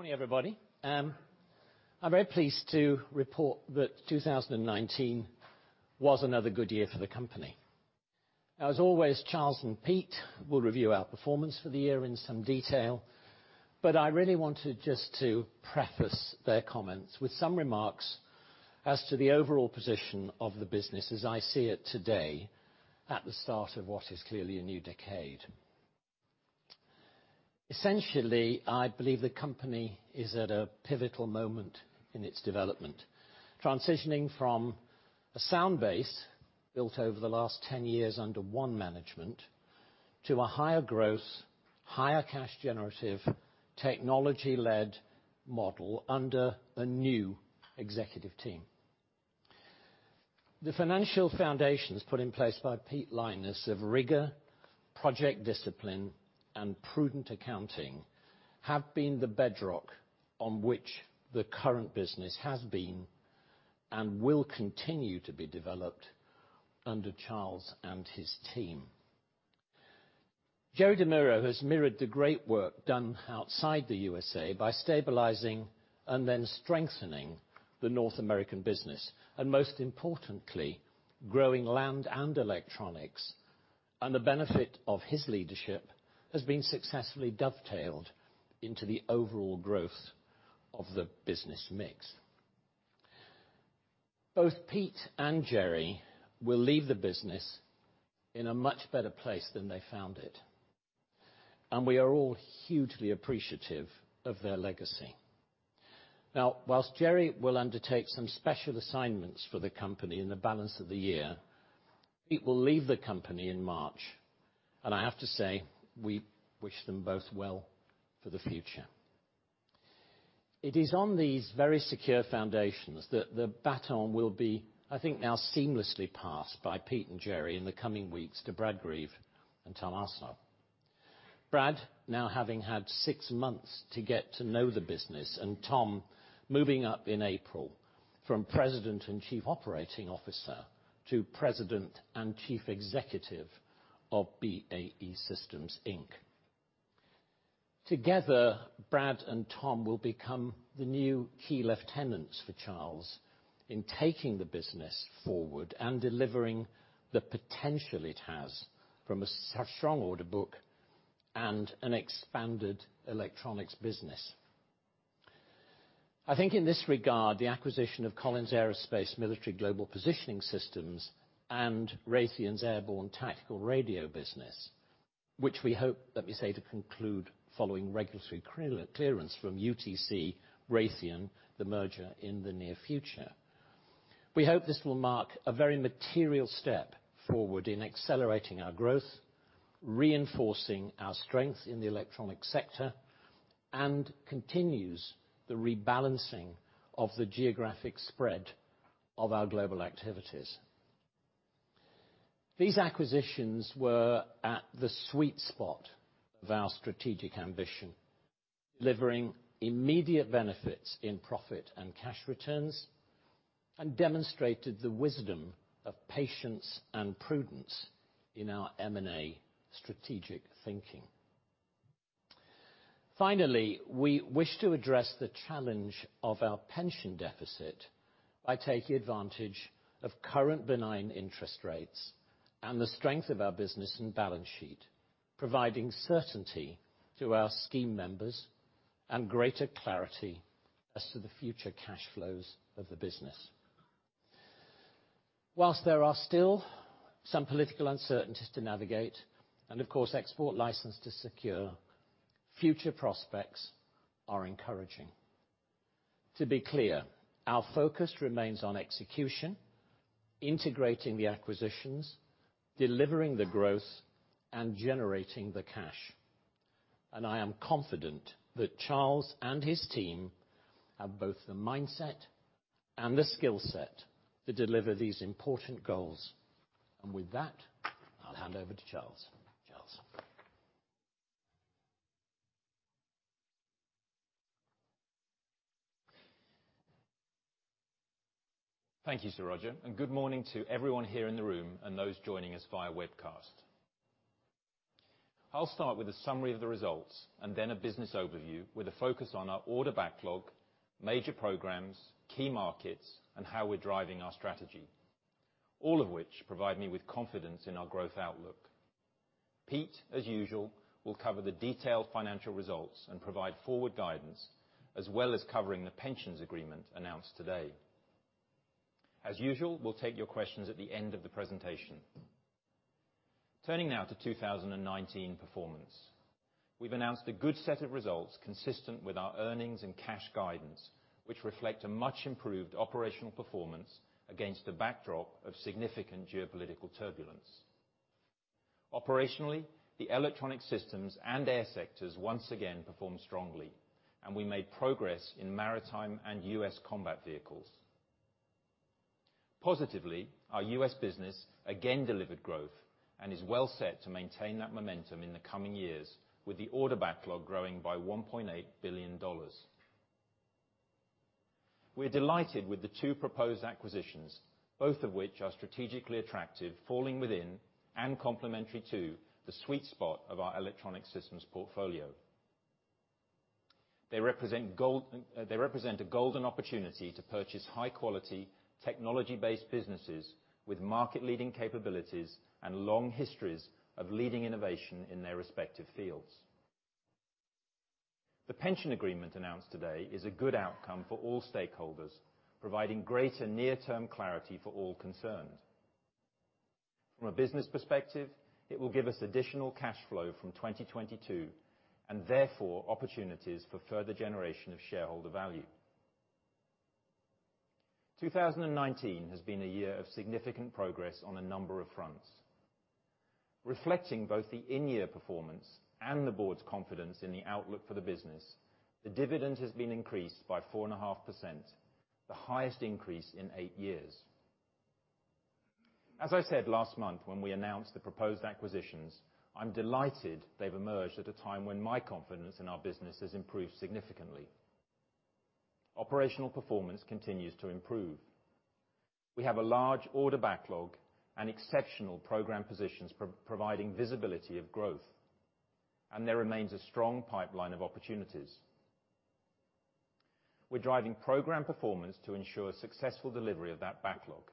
Good morning, everybody. I'm very pleased to report that 2019 was another good year for the company. Now, as always, Charles Woodburn and Peter Lynas will review our performance for the year in some detail, but I really wanted just to preface their comments with some remarks as to the overall position of the business as I see it today at the start of what is clearly a new decade. Essentially, I believe the company is at a pivotal moment in its development, transitioning from a sound base built over the last 10 years under one management to a higher growth, higher cash generative, technology-led model under a new executive team. The financial foundations put in place by Peter Lynas of rigor, project discipline, and prudent accounting have been the bedrock on which the current business has been and will continue to be developed under Charles Woodburn and his team. Jerry DeMuro has mirrored the great work done outside the U.S.A. by stabilizing and then strengthening the North American business, and most importantly, growing land and electronics. The benefit of his leadership has been successfully dovetailed into the overall growth of the business mix. Both Peter Lynas and Jerry DeMuro will leave the business in a much better place than they found it, and we are all hugely appreciative of their legacy. Now, whilst Jerry DeMuro will undertake some special assignments for the company in the balance of the year, Peter Lynas will leave the company in March, and I have to say, we wish them both well for the future. It is on these very secure foundations that the baton will be, I think, now seamlessly passed by Peter Lynas and Jerry DeMuro in the coming weeks to Brad Greve and Tom Arseneault. Brad Greve now having had six months to get to know the business, and Tom Arseneault moving up in April from President and Chief Operating Officer to President and Chief Executive of BAE Systems, Inc. Together, Brad Greve and Tom Arseneault will become the new key lieutenants for Charles Woodburn in taking the business forward and delivering the potential it has from a strong order book and an expanded electronics business. I think in this regard, the acquisition of Collins Aerospace Military Global Positioning Systems and Raytheon's airborne tactical radio business, which we hope, let me say, to conclude following regulatory clearance from UTC Raytheon, the merger in the near future. We hope this will mark a very material step forward in accelerating our growth, reinforcing our strength in the electronic sector, and continues the rebalancing of the geographic spread of our global activities. These acquisitions were at the sweet spot of our strategic ambition, delivering immediate benefits in profit and cash returns, demonstrated the wisdom of patience and prudence in our M&A strategic thinking. Finally, we wish to address the challenge of our pension deficit by taking advantage of current benign interest rates and the strength of our business and balance sheet, providing certainty to our scheme members and greater clarity as to the future cash flows of the business. While there are still some political uncertainties to navigate and of course, export license to secure, future prospects are encouraging. To be clear, our focus remains on execution, integrating the acquisitions, delivering the growth, and generating the cash. I am confident that Charles Woodburn and his team have both the mindset and the skill set to deliver these important goals. With that, I'll hand over to Charles Woodburn. Charles Woodburn? Thank you, Roger Carr, and good morning to everyone here in the room and those joining us via webcast. I'll start with a summary of the results and then a business overview with a focus on our order backlog, major programs, key markets, and how we're driving our strategy, all of which provide me with confidence in our growth outlook. Peter Lynas, as usual, will cover the detailed financial results and provide forward guidance, as well as covering the pensions agreement announced today. As usual, we'll take your questions at the end of the presentation. Turning now to 2019 performance. We've announced a good set of results consistent with our earnings and cash guidance, which reflect a much improved operational performance against a backdrop of significant geopolitical turbulence. Operationally, the Electronic Systems and Air sectors once again performed strongly, and we made progress in Maritime and U.S. combat vehicles. Positively, our U.S. business again delivered growth and is well set to maintain that momentum in the coming years with the order backlog growing by $1.8 billion. We're delighted with the two proposed acquisitions, both of which are strategically attractive, falling within and complementary to the sweet spot of our electronic systems portfolio. They represent a golden opportunity to purchase high-quality technology-based businesses with market-leading capabilities and long histories of leading innovation in their respective fields. The pension agreement announced today is a good outcome for all stakeholders, providing greater near-term clarity for all concerned. From a business perspective, it will give us additional cash flow from 2022, and therefore, opportunities for further generation of shareholder value. 2019 has been a year of significant progress on a number of fronts. Reflecting both the in-year performance and the board's confidence in the outlook for the business, the dividend has been increased by 4.5%, the highest increase in 8 years. As I said last month when we announced the proposed acquisitions, I'm delighted they've emerged at a time when my confidence in our business has improved significantly. Operational performance continues to improve. We have a large order backlog and exceptional program positions providing visibility of growth, and there remains a strong pipeline of opportunities. We're driving program performance to ensure successful delivery of that backlog.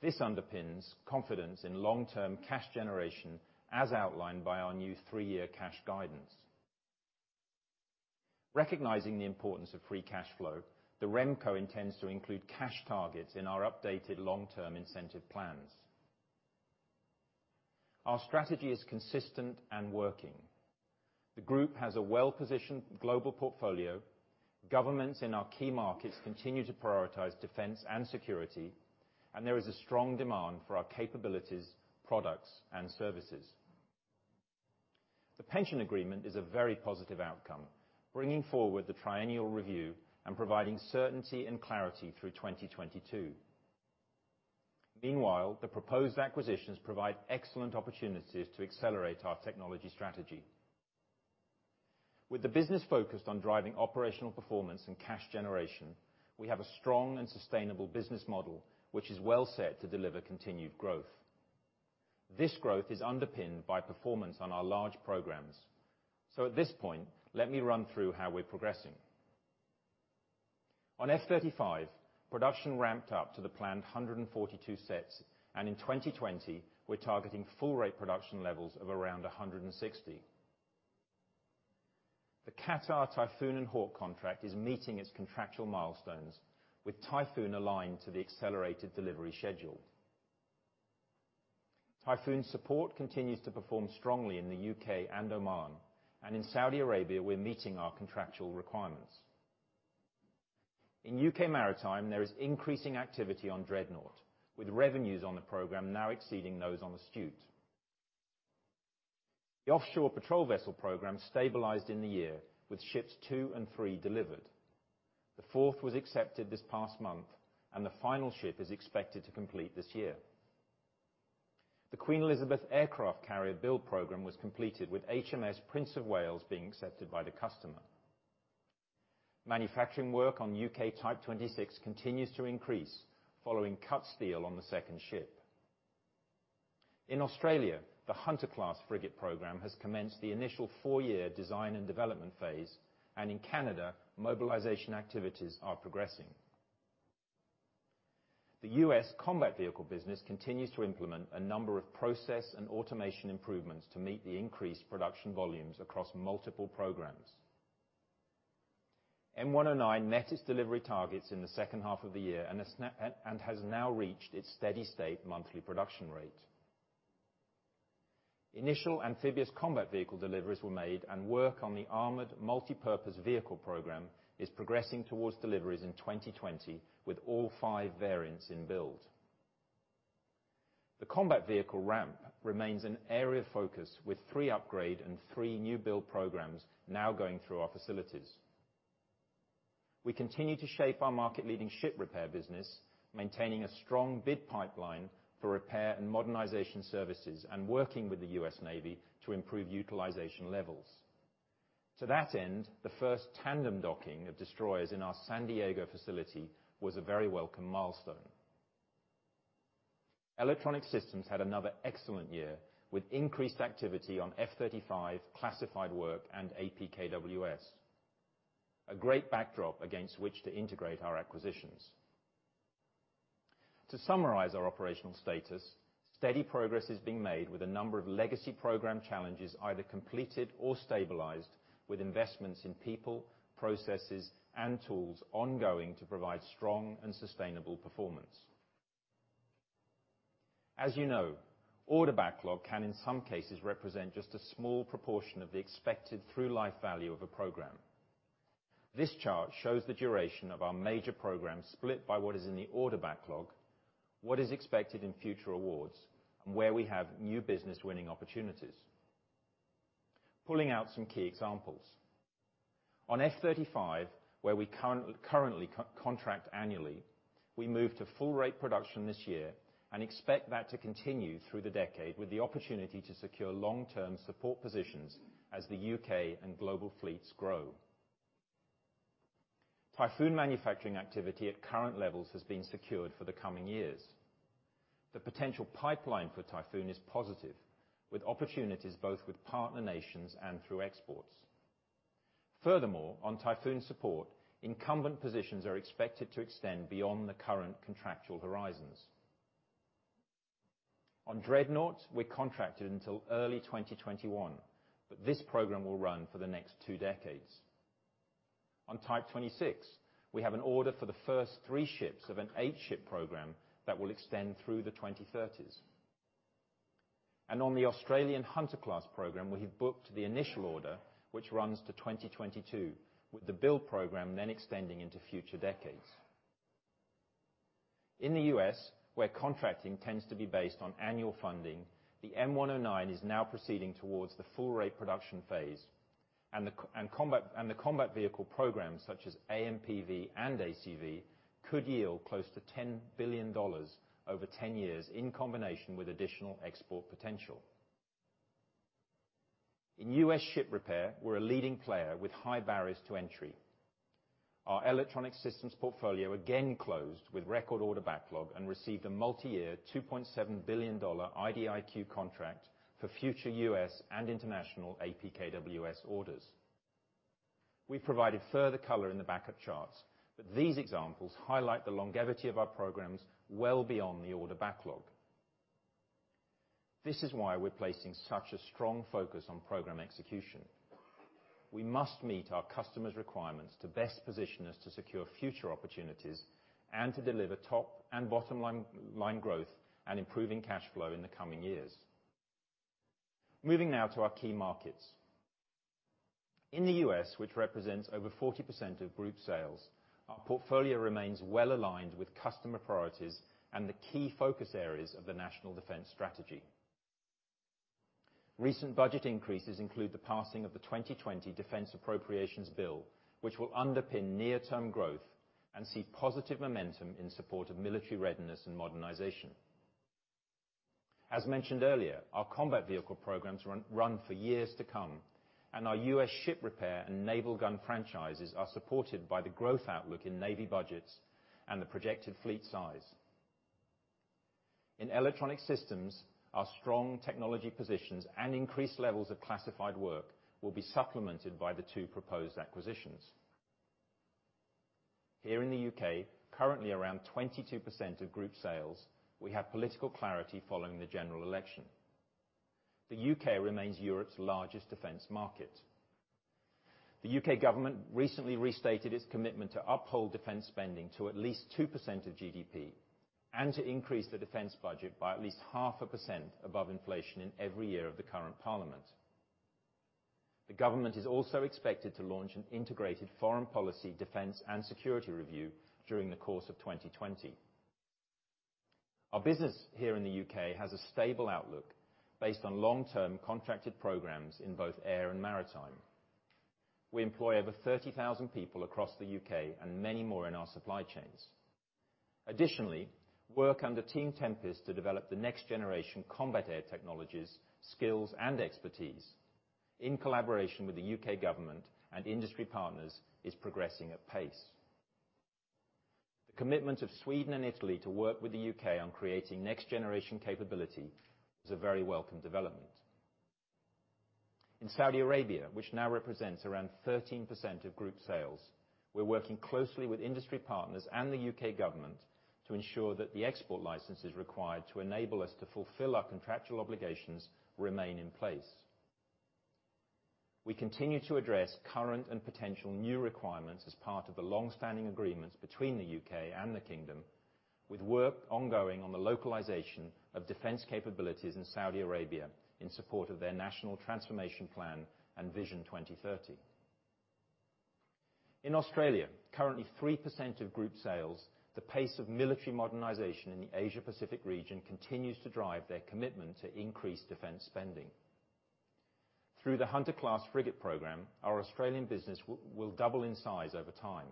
This underpins confidence in long-term cash generation, as outlined by our new 3-year cash guidance. Recognizing the importance of free cash flow, the RemCo intends to include cash targets in our updated long-term incentive plans. Our strategy is consistent and working. The group has a well-positioned global portfolio. Governments in our key markets continue to prioritize defense and security, and there is a strong demand for our capabilities, products, and services. The pension agreement is a very positive outcome, bringing forward the triennial review and providing certainty and clarity through 2022. Meanwhile, the proposed acquisitions provide excellent opportunities to accelerate our technology strategy. With the business focused on driving operational performance and cash generation, we have a strong and sustainable business model which is well set to deliver continued growth. This growth is underpinned by performance on our large programs. At this point, let me run through how we're progressing. On F-35, production ramped up to the planned 142 sets, and in 2020, we're targeting full rate production levels of around 160. The Qatar Typhoon and Hawk contract is meeting its contractual milestones with Typhoon aligned to the accelerated delivery schedule. Typhoon support continues to perform strongly in the U.K. and Oman, and in Saudi Arabia, we're meeting our contractual requirements. In U.K. Maritime, there is increasing activity on Dreadnought, with revenues on the program now exceeding those on Astute. The Offshore Patrol Vessel program stabilized in the year with ships two and three delivered. The fourth was accepted this past month. The final ship is expected to complete this year. The Queen Elizabeth Aircraft Carrier build program was completed with HMS Prince of Wales being accepted by the customer. Manufacturing work on U.K. Type 26 continues to increase following cut steel on the second ship. In Australia, the Hunter-class frigate program has commenced the initial four-year design and development phase. In Canada, mobilization activities are progressing. The U.S. Combat Vehicle business continues to implement a number of process and automation improvements to meet the increased production volumes across multiple programs. M109 met its delivery targets in the second half of the year and has now reached its steady state monthly production rate. Initial amphibious combat vehicle deliveries were made and work on the armored multipurpose vehicle program is progressing towards deliveries in 2020 with all five variants in build. The combat vehicle ramp remains an area of focus with three upgrade and three new build programs now going through our facilities. We continue to shape our market-leading ship repair business, maintaining a strong bid pipeline for repair and modernization services, and working with the U.S. Navy to improve utilization levels. To that end, the first tandem docking of destroyers in our San Diego facility was a very welcome milestone. Electronic Systems had another excellent year with increased activity on F-35 classified work and APKWS. A great backdrop against which to integrate our acquisitions. To summarize our operational status, steady progress is being made with a number of legacy program challenges either completed or stabilized with investments in people, processes and tools ongoing to provide strong and sustainable performance. As you know, order backlog can, in some cases, represent just a small proportion of the expected through life value of a program. This chart shows the duration of our major programs split by what is in the order backlog, what is expected in future awards, and where we have new business winning opportunities. Pulling out some key examples. On F-35, where we currently contract annually, we move to full-rate production this year and expect that to continue through the decade with the opportunity to secure long-term support positions as the U.K. and global fleets grow. Typhoon manufacturing activity at current levels has been secured for the coming years. The potential pipeline for Typhoon is positive, with opportunities both with partner nations and through exports. Furthermore, on Typhoon support, incumbent positions are expected to extend beyond the current contractual horizons. On Dreadnought, we're contracted until early 2021, this program will run for the next two decades. On Type 26, we have an order for the first three ships of an eight-ship program that will extend through the 2030s. On the Australian Hunter-class program, we have booked the initial order, which runs to 2022, with the build program then extending into future decades. In the U.S., where contracting tends to be based on annual funding, the M109 is now proceeding towards the full-rate production phase, and the combat vehicle programs such as AMPV and ACV could yield close to $10 billion over 10 years in combination with additional export potential. In U.S. ship repair, we're a leading player with high barriers to entry. Our electronic systems portfolio again closed with record order backlog and received a multi-year $2.7 billion IDIQ contract for future U.S. and international APKWS orders. We've provided further color in the backup charts, these examples highlight the longevity of our programs well beyond the order backlog. This is why we're placing such a strong focus on program execution. We must meet our customers' requirements to best position us to secure future opportunities and to deliver top and bottom-line growth and improving cash flow in the coming years. Moving now to our key markets. In the U.S., which represents over 40% of group sales, our portfolio remains well-aligned with customer priorities and the key focus areas of the National Defense Strategy. Recent budget increases include the passing of the 2020 Defense Appropriations Bill, which will underpin near-term growth and see positive momentum in support of military readiness and modernization. As mentioned earlier, our combat vehicle programs run for years to come, and our U.S. ship repair and naval gun franchises are supported by the growth outlook in Navy budgets and the projected fleet size. In electronic systems, our strong technology positions and increased levels of classified work will be supplemented by the two proposed acquisitions. Here in the U.K., currently around 22% of group sales, we have political clarity following the general election. The U.K. remains Europe's largest defense market. The U.K. government recently restated its commitment to uphold defense spending to at least 2% of GDP and to increase the defense budget by at least half a percent above inflation in every year of the current parliament. The government is also expected to launch an integrated foreign policy, defense, and security review during the course of 2020. Our business here in the U.K. has a stable outlook based on long-term contracted programs in both air and maritime. We employ over 30,000 people across the U.K. and many more in our supply chains. Additionally, work under Team Tempest to develop the next-generation combat air technologies, skills, and expertise in collaboration with the U.K. government and industry partners is progressing at pace. The commitment of Sweden and Italy to work with the U.K. on creating next-generation capability is a very welcome development. In Saudi Arabia, which now represents around 13% of group sales, we're working closely with industry partners and the U.K. government to ensure that the export licenses required to enable us to fulfill our contractual obligations remain in place. We continue to address current and potential new requirements as part of the long-standing agreements between the U.K. and the Kingdom, with work ongoing on the localization of defense capabilities in Saudi Arabia in support of their national transformation plan and Vision 2030. In Australia, currently 3% of group sales, the pace of military modernization in the Asia-Pacific region continues to drive their commitment to increase defense spending. Through the Hunter-class frigate program, our Australian business will double in size over time.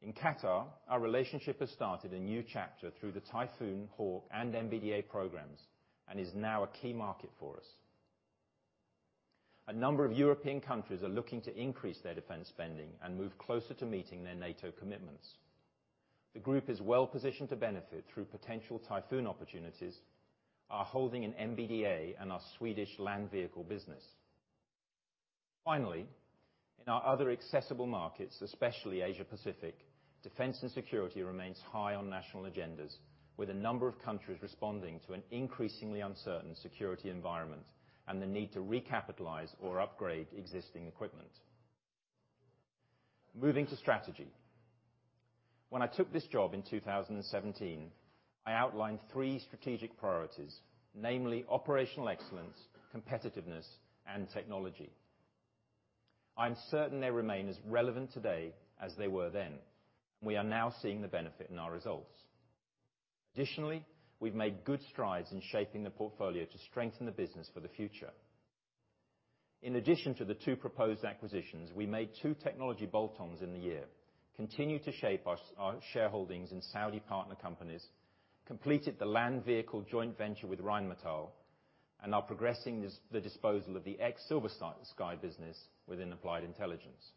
In Qatar, our relationship has started a new chapter through the Typhoon, Hawk, and MBDA programs and is now a key market for us. A number of European countries are looking to increase their defense spending and move closer to meeting their NATO commitments. The group is well-positioned to benefit through potential Typhoon opportunities, our holding in MBDA, and our Swedish land vehicle business. Finally, in our other accessible markets, especially Asia-Pacific, defense and security remains high on national agendas, with a number of countries responding to an increasingly uncertain security environment and the need to recapitalize or upgrade existing equipment. Moving to strategy. When I took this job in 2017, I outlined three strategic priorities, namely operational excellence, competitiveness, and technology. I'm certain they remain as relevant today as they were then. We are now seeing the benefit in our results. Additionally, we've made good strides in shaping the portfolio to strengthen the business for the future. In addition to the two proposed acquisitions, we made two technology bolt-ons in the year, continued to shape our shareholdings in Saudi partner companies, completed the land vehicle joint venture with Rheinmetall, and are progressing the disposal of the ex-SilverSky business within Applied Intelligence.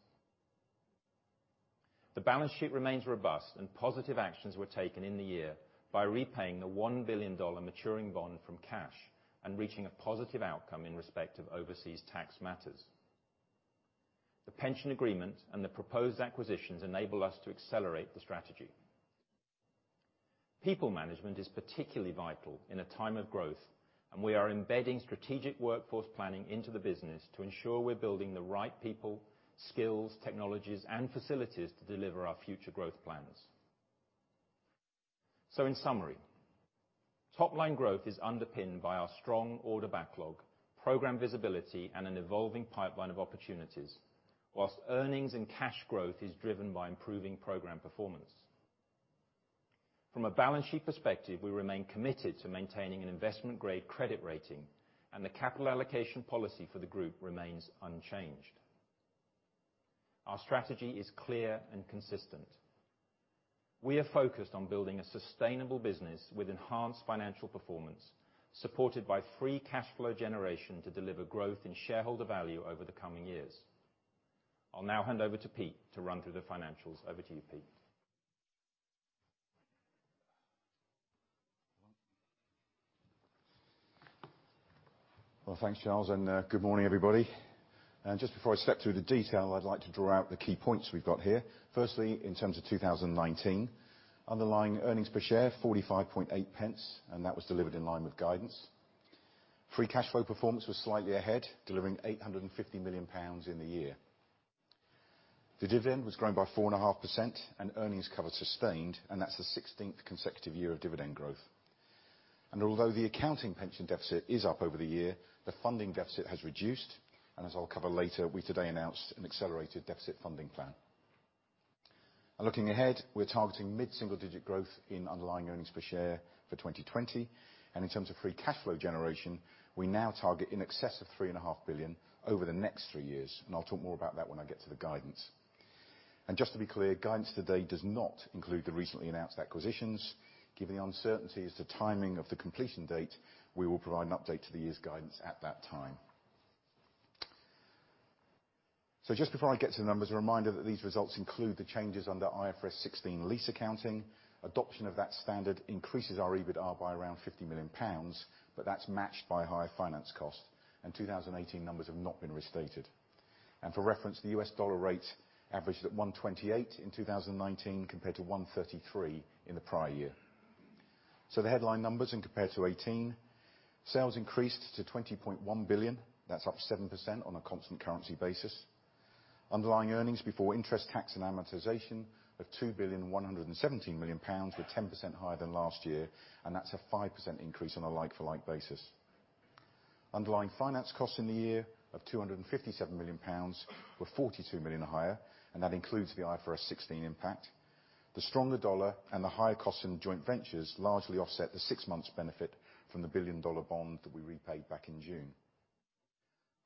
The balance sheet remains robust, and positive actions were taken in the year by repaying the $1 billion maturing bond from cash and reaching a positive outcome in respect of overseas tax matters. The pension agreement and the proposed acquisitions enable us to accelerate the strategy. People management is particularly vital in a time of growth, and we are embedding strategic workforce planning into the business to ensure we're building the right people, skills, technologies, and facilities to deliver our future growth plans. In summary, top-line growth is underpinned by our strong order backlog, program visibility, and an evolving pipeline of opportunities, whilst earnings and cash growth is driven by improving program performance. From a balance sheet perspective, we remain committed to maintaining an investment-grade credit rating, and the capital allocation policy for the group remains unchanged. Our strategy is clear and consistent. We are focused on building a sustainable business with enhanced financial performance, supported by free cash flow generation to deliver growth in shareholder value over the coming years. I'll now hand over to Peter Lynas to run through the financials. Over to you, Peter Lynas. Well, thanks, Charles Woodburn, good morning, everybody. Just before I step through the detail, I'd like to draw out the key points we've got here. Firstly, in terms of 2019, underlying earnings per share, 0.458, that was delivered in line with guidance. Free cash flow performance was slightly ahead, delivering 850 million pounds in the year. The dividend was grown by 4.5%, earnings cover sustained, that's the 16th consecutive year of dividend growth. Although the accounting pension deficit is up over the year, the funding deficit has reduced, as I'll cover later, we today announced an accelerated deficit funding plan. Looking ahead, we're targeting mid-single digit growth in underlying earnings per share for 2020. In terms of free cash flow generation, we now target in excess of 3.5 billion over the next three years, and I'll talk more about that when I get to the guidance. Just to be clear, guidance today does not include the recently announced acquisitions. Given the uncertainty as to timing of the completion date, we will provide an update to the year's guidance at that time. Just before I get to the numbers, a reminder that these results include the changes under IFRS 16 lease accounting. Adoption of that standard increases our EBITA by around 50 million pounds, but that's matched by higher finance cost, and 2018 numbers have not been restated. For reference, the U.S. dollar rate averaged at 128 in 2019 compared to 133 in the prior year. The headline numbers when compared to 2018, sales increased to 20.1 billion. That's up 7% on a constant currency basis. Underlying earnings before interest, tax and amortization of 2,117 million pounds were 10% higher than last year. That's a 5% increase on a like-for-like basis. Underlying finance costs in the year of 257 million pounds were 42 million higher. That includes the IFRS 16 impact. The stronger U.S. dollar and the higher cost in joint ventures largely offset the six months benefit from the billion-dollar bond that we repaid back in June.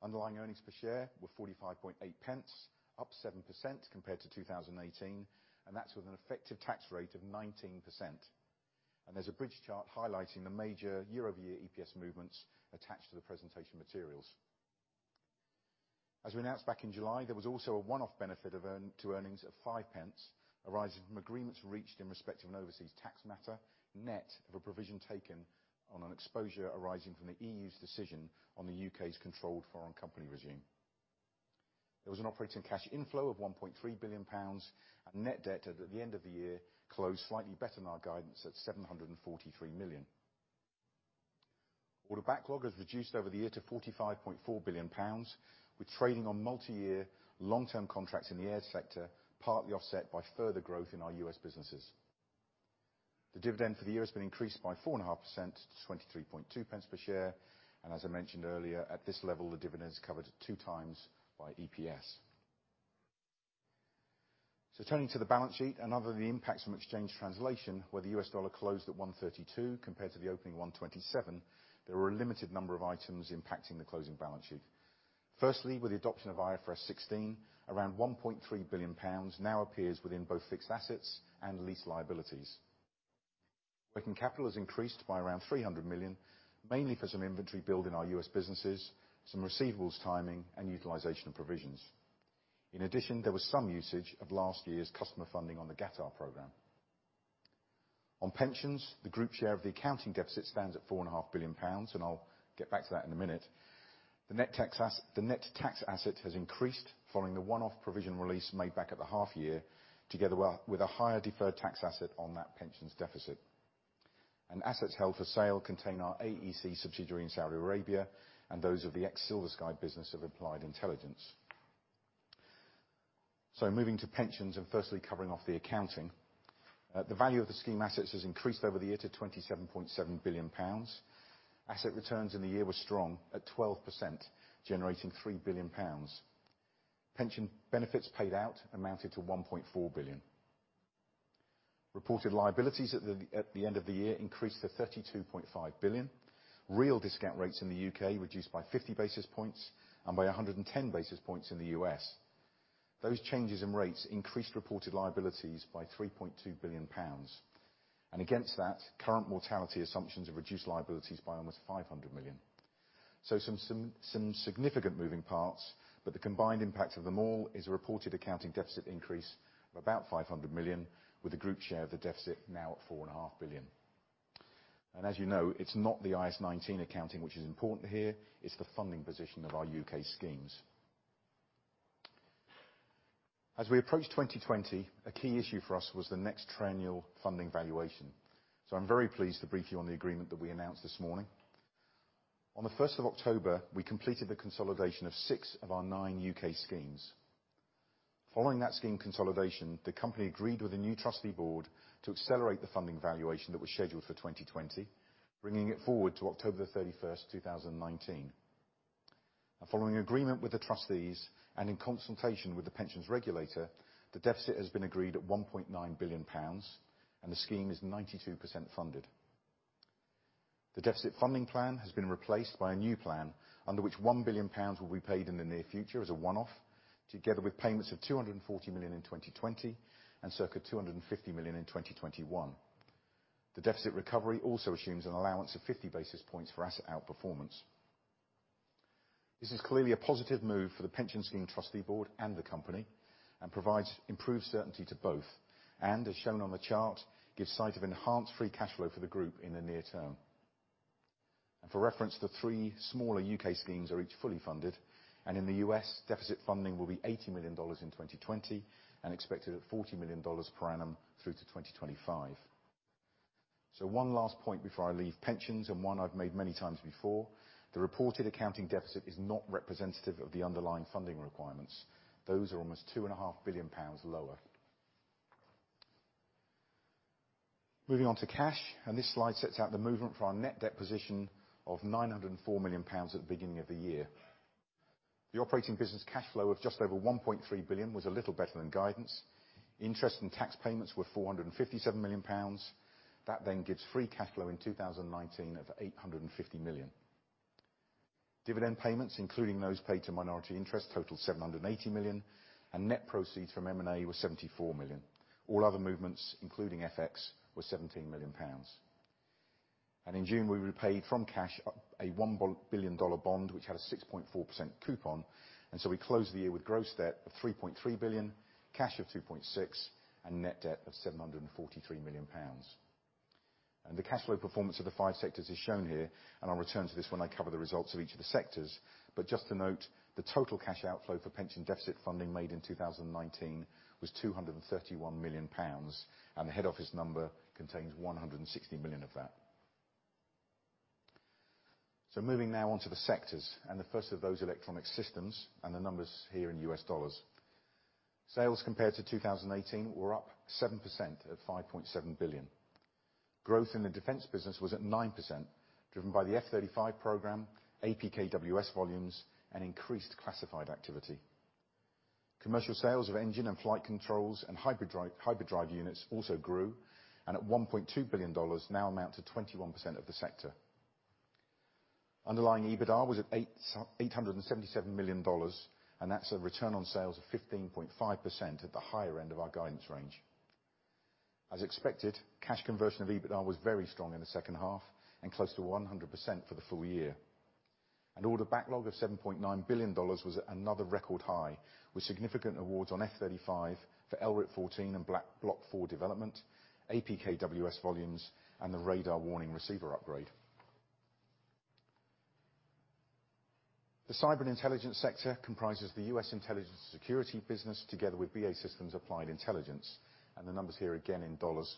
Underlying earnings per share were 0.458, up 7% compared to 2018. That's with an effective tax rate of 19%. There's a bridge chart highlighting the major year-over-year EPS movements attached to the presentation materials. As we announced back in July, there was also a one-off benefit to earnings of 0.05 arising from agreements reached in respect of an overseas tax matter, net of a provision taken on an exposure arising from the EU's decision on the U.K.'s controlled foreign company regime. There was an operating cash inflow of 1.3 billion pounds and net debt at the end of the year closed slightly better than our guidance at 743 million. Order backlog has reduced over the year to 45.4 billion pounds, with trading on multi-year long-term contracts in the air sector, partly offset by further growth in our U.S. businesses. The dividend for the year has been increased by 4.5% to 0.232 per share, and as I mentioned earlier, at this level, the dividend is covered at two times by EPS. Turning to the balance sheet and other of the impacts from exchange translation, where the U.S. dollar closed at 132 compared to the opening 127, there were a limited number of items impacting the closing balance sheet. Firstly, with the adoption of IFRS 16, around 1.3 billion pounds now appears within both fixed assets and lease liabilities. Working capital has increased by around 300 million, mainly for some inventory build in our U.S. businesses, some receivables timing, and utilization of provisions. In addition, there was some usage of last year's customer funding on the Qatar program. On pensions, the group share of the accounting deficit stands at 4.5 billion pounds, and I'll get back to that in a minute. The net tax asset has increased following the one-off provision release made back at the half year, together with a higher deferred tax asset on that pensions deficit. Assets held for sale contain our AEC subsidiary in Saudi Arabia and those of the ex-SilverSky business of Applied Intelligence. Moving to pensions and firstly covering off the accounting. The value of the scheme assets has increased over the year to 27.7 billion pounds. Asset returns in the year were strong at 12%, generating 3 billion pounds. Pension benefits paid out amounted to 1.4 billion. Reported liabilities at the end of the year increased to 32.5 billion. Real discount rates in the U.K. reduced by 50 basis points and by 110 basis points in the U.S. Those changes in rates increased reported liabilities by 3.2 billion pounds. Against that, current mortality assumptions have reduced liabilities by almost 500 million. Some significant moving parts, but the combined impact of them all is a reported accounting deficit increase of about 500 million, with a group share of the deficit now at 4.5 billion. As you know, it's not the IAS 19 accounting which is important here, it's the funding position of our U.K. schemes. As we approach 2020, a key issue for us was the next triennial funding valuation. I'm very pleased to brief you on the agreement that we announced this morning. On the 1st of October, we completed the consolidation of six of our nine U.K. schemes. Following that scheme consolidation, the company agreed with the new trustee board to accelerate the funding valuation that was scheduled for 2020, bringing it forward to October 31st 2019. Following agreement with the trustees, and in consultation with the Pensions Regulator, the deficit has been agreed at 1.9 billion pounds, and the scheme is 92% funded. The deficit funding plan has been replaced by a new plan, under which 1 billion pounds will be paid in the near future as a one-off, together with payments of 240 million in 2020 and circa 250 million in 2021. The deficit recovery also assumes an allowance of 50 basis points for asset outperformance. This is clearly a positive move for the pension scheme trustee board and the company and provides improved certainty to both and, as shown on the chart, gives sight of enhanced free cash flow for the group in the near term. For reference, the three smaller U.K. schemes are each fully funded, and in the U.S., deficit funding will be $80 million in 2020 and expected at $40 million per annum through to 2025. One last point before I leave pensions, and one I've made many times before, the reported accounting deficit is not representative of the underlying funding requirements. Those are almost 2.5 billion pounds lower. Moving on to cash, and this slide sets out the movement for our net debt position of 904 million pounds at the beginning of the year. The operating business cash flow of just over 1.3 billion was a little better than guidance. Interest in tax payments were 457 million pounds. That then gives free cash flow in 2019 of 850 million. Dividend payments, including those paid to minority interest, totaled 780 million, and net proceeds from M&A were 74 million. All other movements, including FX, were 17 million pounds. In June, we repaid from cash a $1 billion bond, which had a 6.4% coupon, and so we closed the year with gross debt of 3.3 billion, cash of 2.6 billion, and net debt of 743 million pounds. The cash flow performance of the five sectors is shown here, and I'll return to this when I cover the results of each of the sectors. Just to note, the total cash outflow for pension deficit funding made in 2019 was 231 million pounds and the head office number contains 160 million of that. Moving now on to the sectors, the first of those Electronic Systems and the numbers here in U.S. dollars. Sales compared to 2018 were up 7% at $5.7 billion. Growth in the defense business was at 9%, driven by the F-35 Program, APKWS volumes, and increased classified activity. Commercial sales of engine and flight controls and hybrid drive units also grew. At $1.2 billion, now amount to 21% of the sector. Underlying EBITA was at $877 million. That's a return on sales of 15.5% at the higher end of our guidance range. As expected, cash conversion of EBITA was very strong in the second half and close to 100% for the full year. Order backlog of $7.9 billion was at another record high, with significant awards on F-35 for LRIP 14 and Block 4 development, APKWS volumes, and the radar warning receiver upgrade. The cyber and intelligence sector comprises the U.S. intelligence and security business, together with BAE Systems Applied Intelligence. The numbers here again in dollars.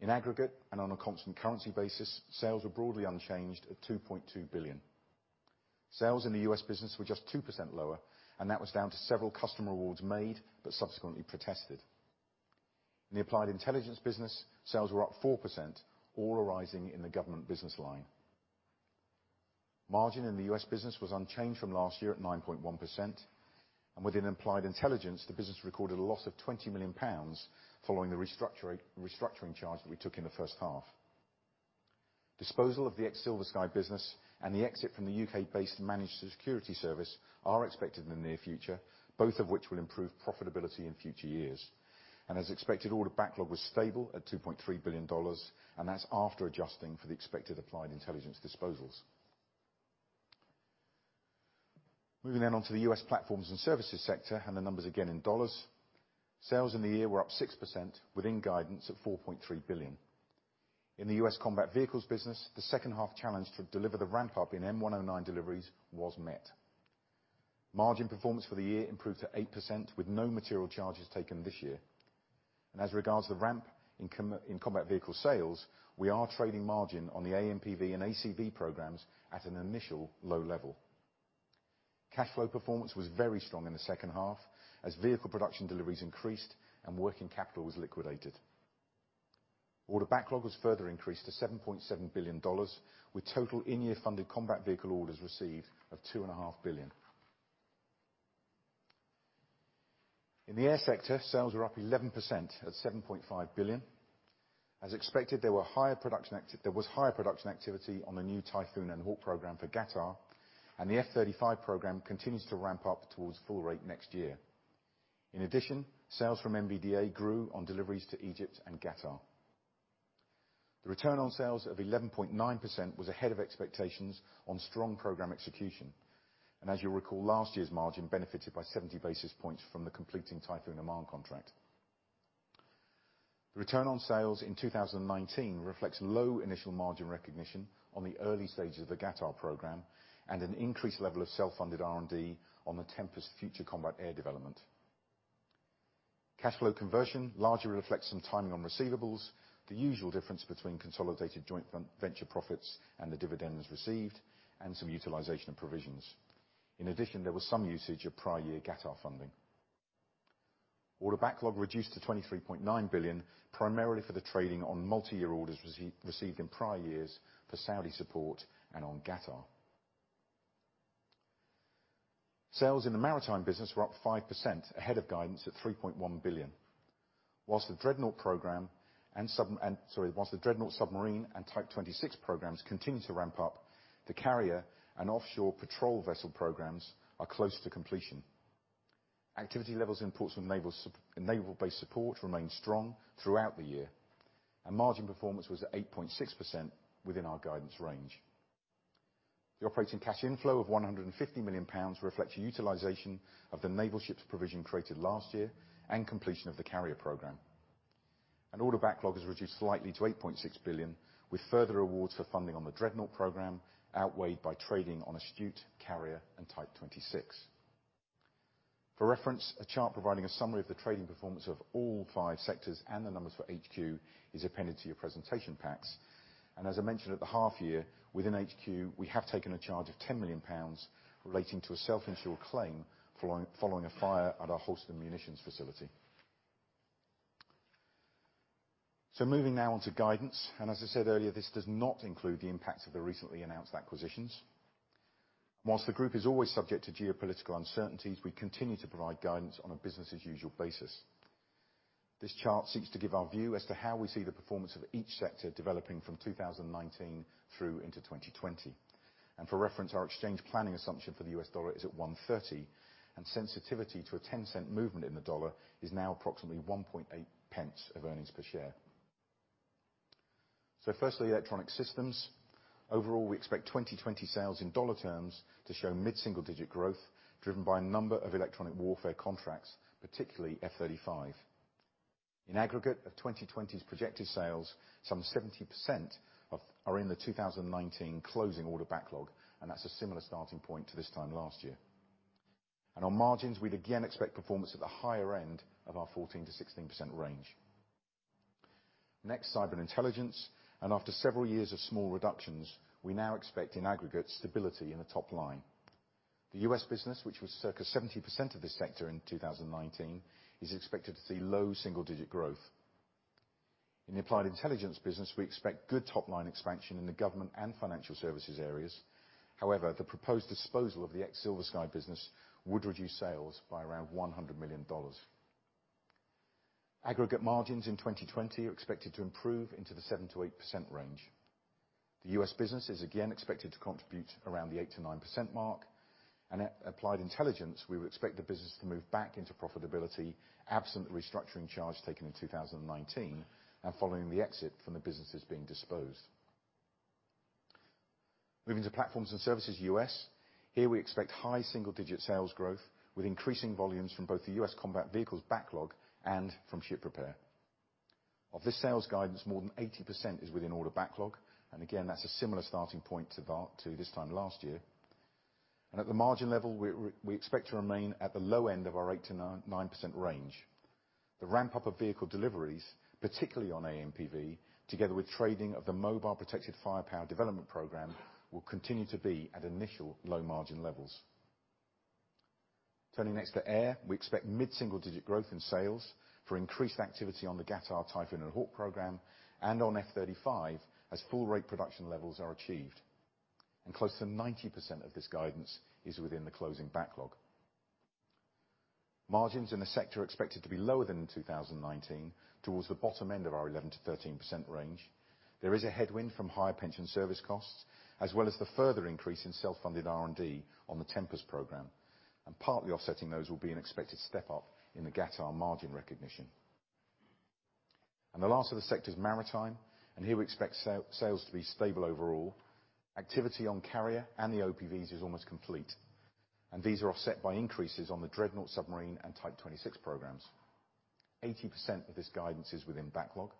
In aggregate on a constant currency basis, sales were broadly unchanged at $2.2 billion. Sales in the U.S. business were just 2% lower, and that was down to several customer awards made but subsequently protested. In the Applied Intelligence business, sales were up 4%, all arising in the government business line. Margin in the U.S. business was unchanged from last year at 9.1%, and within Applied Intelligence, the business recorded a loss of 20 million pounds following the restructuring charge that we took in the first half. Disposal of the ex-SilverSky business and the exit from the U.K.-based managed security service are expected in the near future, both of which will improve profitability in future years. As expected, order backlog was stable at GBP 2.3 billion, and that's after adjusting for the expected Applied Intelligence disposals. Moving then on to the U.S. platforms and services sector and the numbers again in dollars. Sales in the year were up 6% within guidance of 4.3 billion. In the U.S. combat vehicles business, the second half challenge to deliver the ramp-up in M109 deliveries was met. Margin performance for the year improved to 8% with no material charges taken this year. As regards the ramp in combat vehicle sales, we are trading margin on the AMPV and ACV programs at an initial low level. Cash flow performance was very strong in the second half as vehicle production deliveries increased and working capital was liquidated. Order backlog was further increased to $7.7 billion, with total in-year funded combat vehicle orders received of $2.5 billion. In the air sector, sales are up 11% at 7.5 billion. As expected, there was higher production activity on the new Typhoon and Hawk program for Qatar, and the F-35 program continues to ramp up towards full rate next year. In addition, sales from MBDA grew on deliveries to Egypt and Qatar. The return on sales of 11.9% was ahead of expectations on strong program execution. As you'll recall, last year's margin benefited by 70 basis points from the completing Typhoon Oman contract. The return on sales in 2019 reflects low initial margin recognition on the early stages of the Qatar program and an increased level of self-funded R&D on the Tempest Future Combat Air Development. Cash flow conversion largely reflects some timing on receivables, the usual difference between consolidated joint venture profits and the dividends received, and some utilization of provisions. In addition, there was some usage of prior year Qatar funding. Order backlog reduced to 23.9 billion, primarily for the trading on multi-year orders received in prior years for Saudi support and on Qatar. Sales in the maritime business were up 5%, ahead of guidance at 3.1 billion. Whilst the Dreadnought submarine and Type 26 programs continue to ramp up, the carrier and Offshore Patrol Vessel programs are close to completion. Activity levels in Portsmouth Naval Base support remained strong throughout the year. Margin performance was at 8.6% within our guidance range. The operating cash inflow of 150 million pounds reflects utilization of the naval ships provision created last year and completion of the carrier program. Order backlog has reduced slightly to 8.6 billion, with further awards for funding on the Dreadnought program outweighed by trading on Astute, Carrier, and Type 26. For reference, a chart providing a summary of the trading performance of all five sectors and the numbers for HQ is appended to your presentation packs. As I mentioned at the half year, within HQ, we have taken a charge of 10 million pounds relating to a self-insured claim following a fire at our Holston munitions facility. Moving now on to guidance, as I said earlier, this does not include the impact of the recently announced acquisitions. Whilst the group is always subject to geopolitical uncertainties, we continue to provide guidance on a business as usual basis. This chart seeks to give our view as to how we see the performance of each sector developing from 2019 through into 2020. For reference, our exchange planning assumption for the U.S. dollar is at 130, and sensitivity to a $0.10 movement in the dollar is now approximately 0.018 of earnings per share. Firstly, Electronic Systems. Overall, we expect 2020 sales in dollar terms to show mid-single-digit growth, driven by a number of electronic warfare contracts, particularly F-35. In aggregate of 2020's projected sales, some 70% are in the 2019 closing order backlog. That's a similar starting point to this time last year. On margins, we'd again expect performance at the higher end of our 14%-16% range. Next, cyber and intelligence. After several years of small reductions, we now expect in aggregate stability in the top line. The U.S. business, which was circa 70% of this sector in 2019, is expected to see low double-digit growth. In the Applied Intelligence business, we expect good top-line expansion in the government and financial services areas. However, the proposed disposal of the ex-SilverSky business would reduce sales by around $100 million. Aggregate margins in 2020 are expected to improve into the 7%-8% range. The U.S. business is again expected to contribute around the 8%-9% mark. At Applied Intelligence, we would expect the business to move back into profitability absent the restructuring charge taken in 2019 and following the exit from the businesses being disposed. Moving to platforms and services U.S. Here we expect high single-digit sales growth with increasing volumes from both the U.S. combat vehicles backlog and from ship repair. Of this sales guidance, more than 80% is within order backlog, and again, that's a similar starting point to this time last year. At the margin level, we expect to remain at the low end of our 8%-9% range. The ramp-up of vehicle deliveries, particularly on AMPV, together with trading of the Mobile Protected Firepower development program, will continue to be at initial low margin levels. Turning next to air, we expect mid-single-digit growth in sales for increased activity on the Qatar Typhoon and Hawk program and on F-35 as full rate production levels are achieved. Close to 90% of this guidance is within the closing backlog. Margins in the sector are expected to be lower than in 2019, towards the bottom end of our 11%-13% range. There is a headwind from higher pension service costs, as well as the further increase in self-funded R&D on the Tempest program. Partly offsetting those will be an expected step-up in the Qatar margin recognition. The last of the sectors, maritime, and here we expect sales to be stable overall. Activity on carrier and the OPVs is almost complete, these are offset by increases on the Dreadnought submarine and Type 26 programs. 80% of this guidance is within backlog,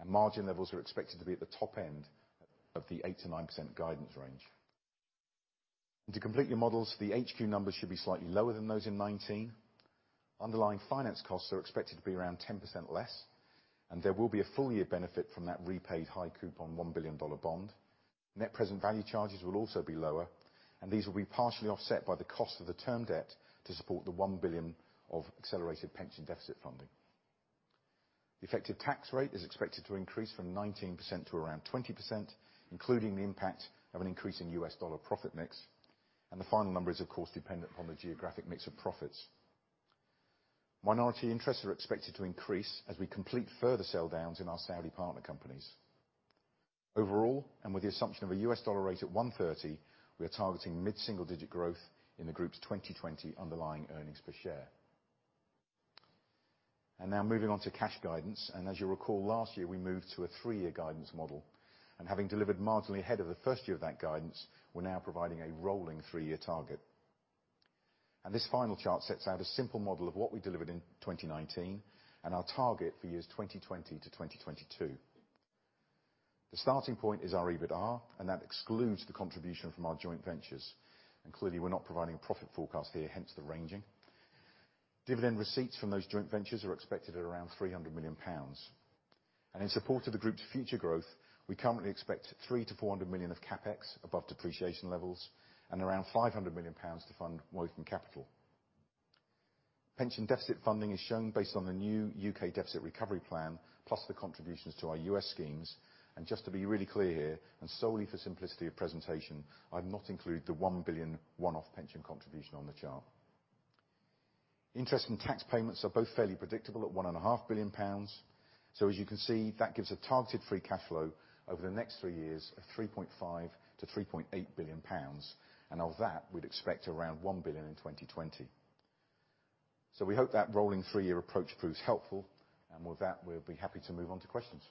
and margin levels are expected to be at the top end of the 8%-9% guidance range. To complete your models, the HQ numbers should be slightly lower than those in 2019. Underlying finance costs are expected to be around 10% less, and there will be a full-year benefit from that repaid high coupon GBP 1 billion bond. Net present value charges will also be lower, and these will be partially offset by the cost of the term debt to support the 1 billion of accelerated pension deficit funding. The effective tax rate is expected to increase from 19% to around 20%, including the impact of an increase in U.S. dollar profit mix. The final number is, of course, dependent upon the geographic mix of profits. Minority interests are expected to increase as we complete further sell-downs in our Saudi partner companies. Overall and with the assumption of a U.S. dollar rate at 130, we are targeting mid-single-digit growth in the group's 2020 underlying earnings per share. Now moving on to cash guidance. As you recall, last year, we moved to a three-year guidance model. Having delivered marginally ahead of the first year of that guidance, we're now providing a rolling three-year target. This final chart sets out a simple model of what we delivered in 2019 and our target for years 2020 to 2022. The starting point is our EBITDA, that excludes the contribution from our joint ventures. Clearly, we're not providing a profit forecast here, hence the ranging. Dividend receipts from those joint ventures are expected at around 300 million pounds. In support of the group's future growth, we currently expect 300 million-400 million of CapEx above depreciation levels and around 500 million pounds to fund working capital. Pension deficit funding is shown based on the new U.K. deficit recovery plan, plus the contributions to our U.S. schemes. Just to be really clear here, and solely for simplicity of presentation, I've not included the 1 billion one-off pension contribution on the chart. Interest and tax payments are both fairly predictable at 1.5 billion pounds. As you can see, that gives a targeted free cash flow over the next three years of 3.5 billion-3.8 billion pounds. Of that, we'd expect around 1 billion in 2020. We hope that rolling three-year approach proves helpful. With that, we'll be happy to move on to questions.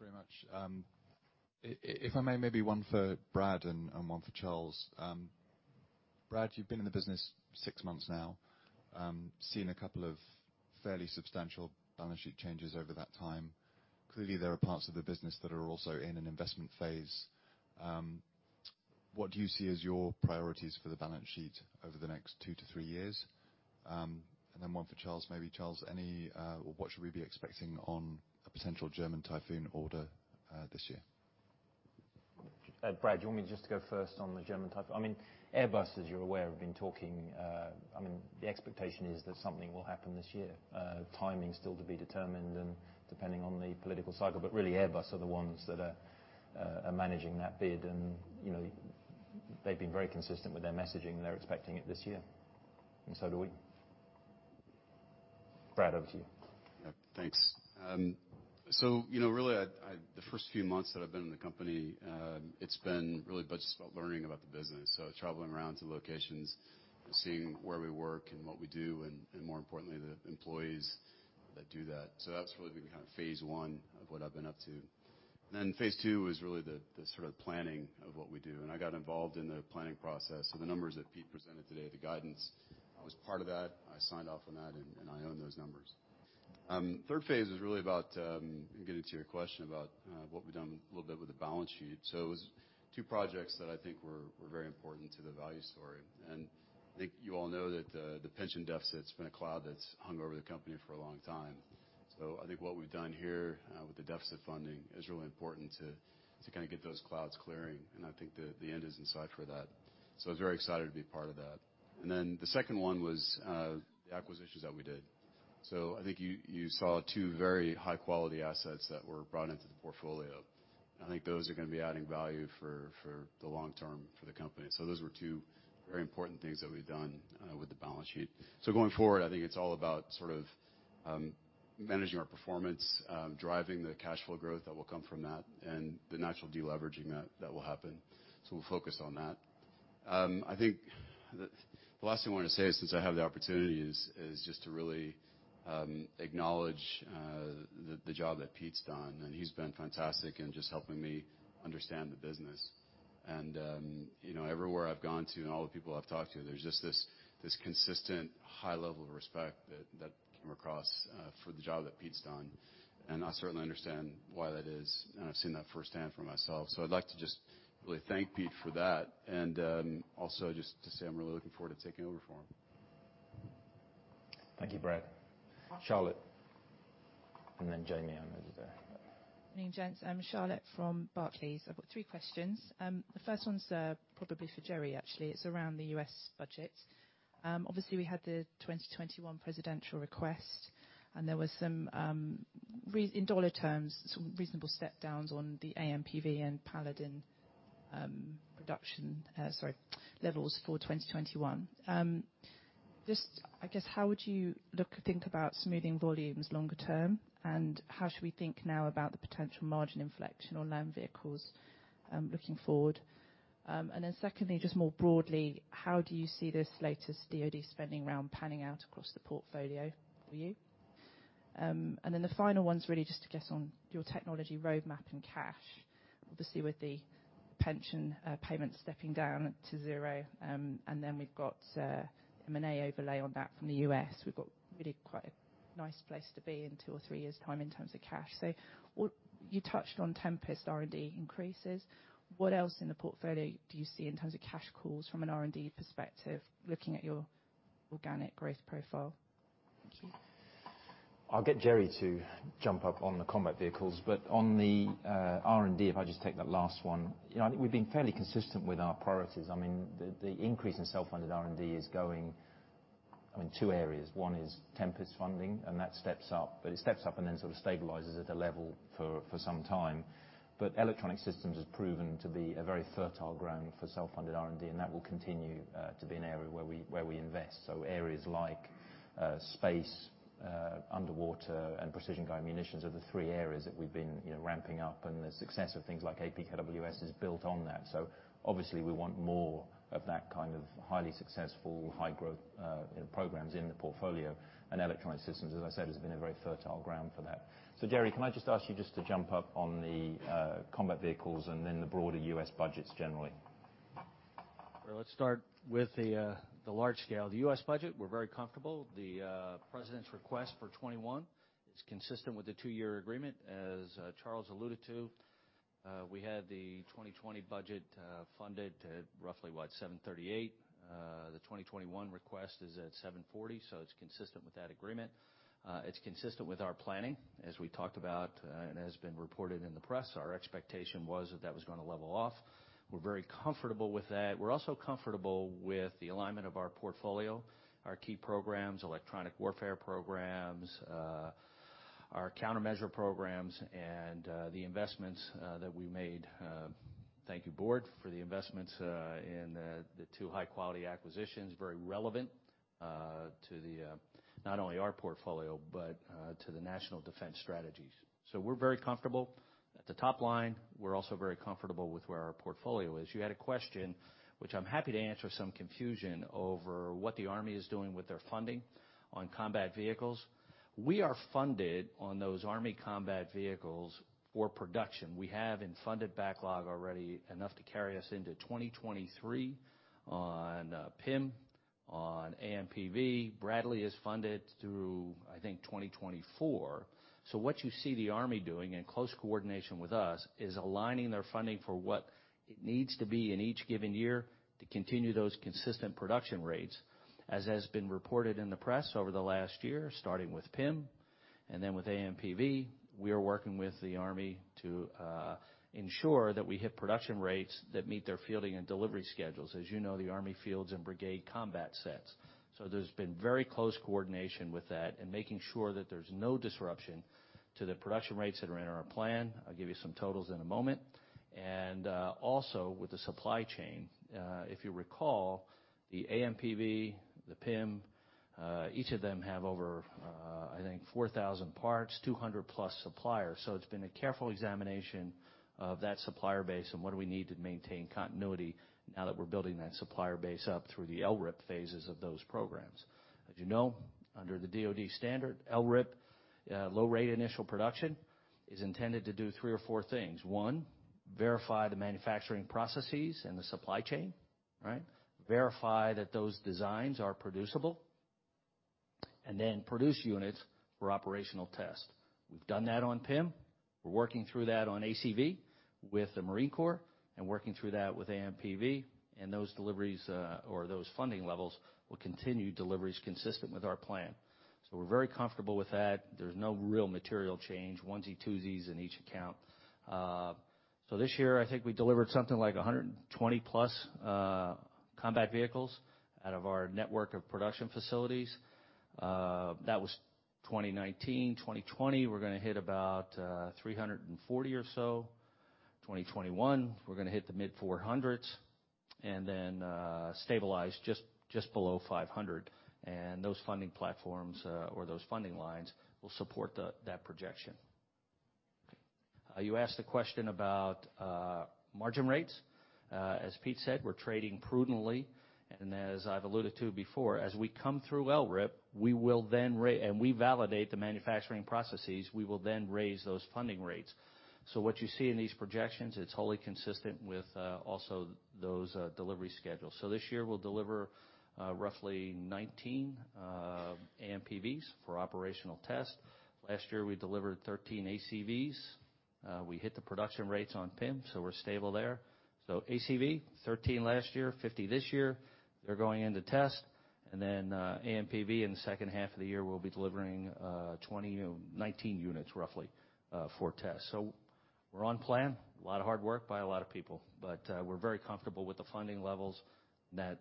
Yeah. Its Andrew. Thanks very much. If I may, maybe one for Brad Greve and one for Charles Woodburn. Brad Greve, you've been in the business six months now, seen a couple of fairly substantial balance sheet changes over that time. Clearly, there are parts of the business that are also in an investment phase. What do you see as your priorities for the balance sheet over the next two to three years? One for Charles Woodburn, maybe, Charles Woodburn, what should we be expecting on a potential German Typhoon order this year? Brad Greve, do you want me just to go first on the German Typhoon? Airbus, as you're aware, have been talking. The expectation is that something will happen this year. Timing's still to be determined and depending on the political cycle. Really, Airbus are the ones that are managing that bid, and they've been very consistent with their messaging. They're expecting it this year, and so do we. Brad Greve, over to you. Yeah, thanks. Really, the first few months that I've been in the company, it's been really just about learning about the business. Traveling around to locations and seeing where we work and what we do and more importantly, the employees that do that. That's really been phase one of what I've been up to. Then phase two was really the sort of planning of what we do. I got involved in the planning process. The numbers that Peter Lynas presented today, the guidance, I was part of that, I signed off on that, and I own those numbers. Third phase was really about, and getting to your question about what we've done a little bit with the balance sheet. It was two projects that I think were very important to the value story. I think you all know that the pension deficit's been a cloud that's hung over the company for a long time. I think what we've done here with the deficit funding is really important to get those clouds clearing. I think the end is in sight for that. I was very excited to be part of that. The second one was the acquisitions that we did. I think you saw two very high-quality assets that were brought into the portfolio. I think those are going to be adding value for the long term for the company. Those were two very important things that we've done with the balance sheet. Going forward, I think it's all about sort of managing our performance, driving the cash flow growth that will come from that, and the natural de-leveraging that will happen. We'll focus on that. I think the last thing I wanted to say, since I have the opportunity, is just to really acknowledge the job that Peter Lynas' done. He's been fantastic in just helping me understand the business. Everywhere I've gone to and all the people I've talked to, there's just this consistent high level of respect that came across for the job that Peter Lynas' done. I certainly understand why that is, and I've seen that firsthand for myself. I'd like to just really thank Peter Lynas for that, and also just to say I'm really looking forward to taking over for him. Thank you, Brad Greve. Charlotte, then Jaime Rowbotham on the other side. Morning, gents. I'm Charlotte from Barclays. I've got three questions. The first one's probably for Jerry DeMuro, actually. It's around the U.S. budget. Obviously, we had the 2021 presidential request. There was some, in dollar terms, some reasonable step-downs on the AMPV and Paladin production, sorry, levels for 2021. I guess, how would you look to think about smoothing volumes longer term, and how should we think now about the potential margin inflection on land vehicles looking forward? Secondly, just more broadly, how do you see this latest DoD spending round panning out across the portfolio for you? The final one's really just, I guess, on your technology roadmap and cash. Obviously, with the pension payments stepping down to zero, and then we've got M&A overlay on that from the U.S., we've got really quite a nice place to be in two or three years' time in terms of cash. You touched on Tempest R&D increases. What else in the portfolio do you see in terms of cash calls from an R&D perspective, looking at your organic growth profile? Thank you. I'll get Jerry DeMuro to jump up on the combat vehicles, but on the R&D, if I just take that last one, I think we've been fairly consistent with our priorities. The increase in self-funded R&D is going in two areas. One is Tempest funding, and that steps up, but it steps up and then sort of stabilizes at a level for some time. Electronic systems has proven to be a very fertile ground for self-funded R&D, and that will continue to be an area where we invest. Areas like space, underwater, and precision-guided munitions are the three areas that we've been ramping up, and the success of things like APKWS is built on that. Obviously, we want more of that kind of highly successful high-growth programs in the portfolio. Electronic systems, as I said, has been a very fertile ground for that. Jerry DeMuro, can I just ask you just to jump up on the combat vehicles and then the broader U.S. budgets generally? Well, let's start with the large scale. The U.S. budget, we're very comfortable. The president's request for 2021 is consistent with the two-year agreement. As Charles Woodburn alluded to, we had the 2020 budget funded at roughly, what, $738. The 2021 request is at $740, it's consistent with that agreement. It's consistent with our planning, as we talked about and has been reported in the press. Our expectation was that that was going to level off. We're very comfortable with that. We're also comfortable with the alignment of our portfolio, our key programs, electronic warfare programs, our countermeasure programs, and the investments that we made. Thank you, board, for the investments in the two high-quality acquisitions, very relevant to not only our portfolio but to the National Defense strategies. We're very comfortable at the top line. We're also very comfortable with where our portfolio is. You had a question, which I am happy to answer, some confusion over what the Army is doing with their funding on combat vehicles. We are funded on those Army combat vehicles for production. We have in funded backlog already enough to carry us into 2023 on PIM, on AMPV. Bradley is funded through, I think, 2024. What you see the Army doing in close coordination with us is aligning their funding for what it needs to be in each given year to continue those consistent production rates. As has been reported in the press over the last year, starting with PIM and then with AMPV, we are working with the Army to ensure that we hit production rates that meet their fielding and delivery schedules. As you know, the Army fields in brigade combat sets. There's been very close coordination with that and making sure that there's no disruption to the production rates that are in our plan. I'll give you some totals in a moment. Also with the supply chain, if you recall, the AMPV, the PIM, each of them have over, I think, 4,000 parts, 200-plus suppliers. It's been a careful examination of that supplier base and what do we need to maintain continuity now that we're building that supplier base up through the LRIP phases of those programs. As you know, under the DoD standard, LRIP, Low-Rate Initial Production, is intended to do three or four things. One, verify the manufacturing processes and the supply chain. Verify that those designs are producible, and then produce units for operational test. We've done that on PIM. We're working through that on ACV with the Marine Corps and working through that with AMPV. Those funding levels will continue deliveries consistent with our plan. We're very comfortable with that. There's no real material change, onesie, twosies in each account. This year, I think we delivered something like 120-plus combat vehicles out of our network of production facilities. That was 2019. 2020, we're going to hit about 340 or so. 2021, we're going to hit the mid 400s and then stabilize just below 500. Those funding platforms or those funding lines will support that projection. You asked a question about margin rates. As Peter Lynas said, we're trading prudently. As I've alluded to before, as we come through LRIP and we validate the manufacturing processes, we will then raise those funding rates. What you see in these projections, it's wholly consistent with also those delivery schedules. This year, we'll deliver roughly 19 AMPVs for operational test. Last year, we delivered 13 ACVs. We hit the production rates on PIM, we're stable there. ACV, 13 last year, 50 this year. They're going into test. AMPV in the second half of the year, we'll be delivering 19 units roughly, for test. We're on plan. A lot of hard work by a lot of people. We're very comfortable with the funding levels. That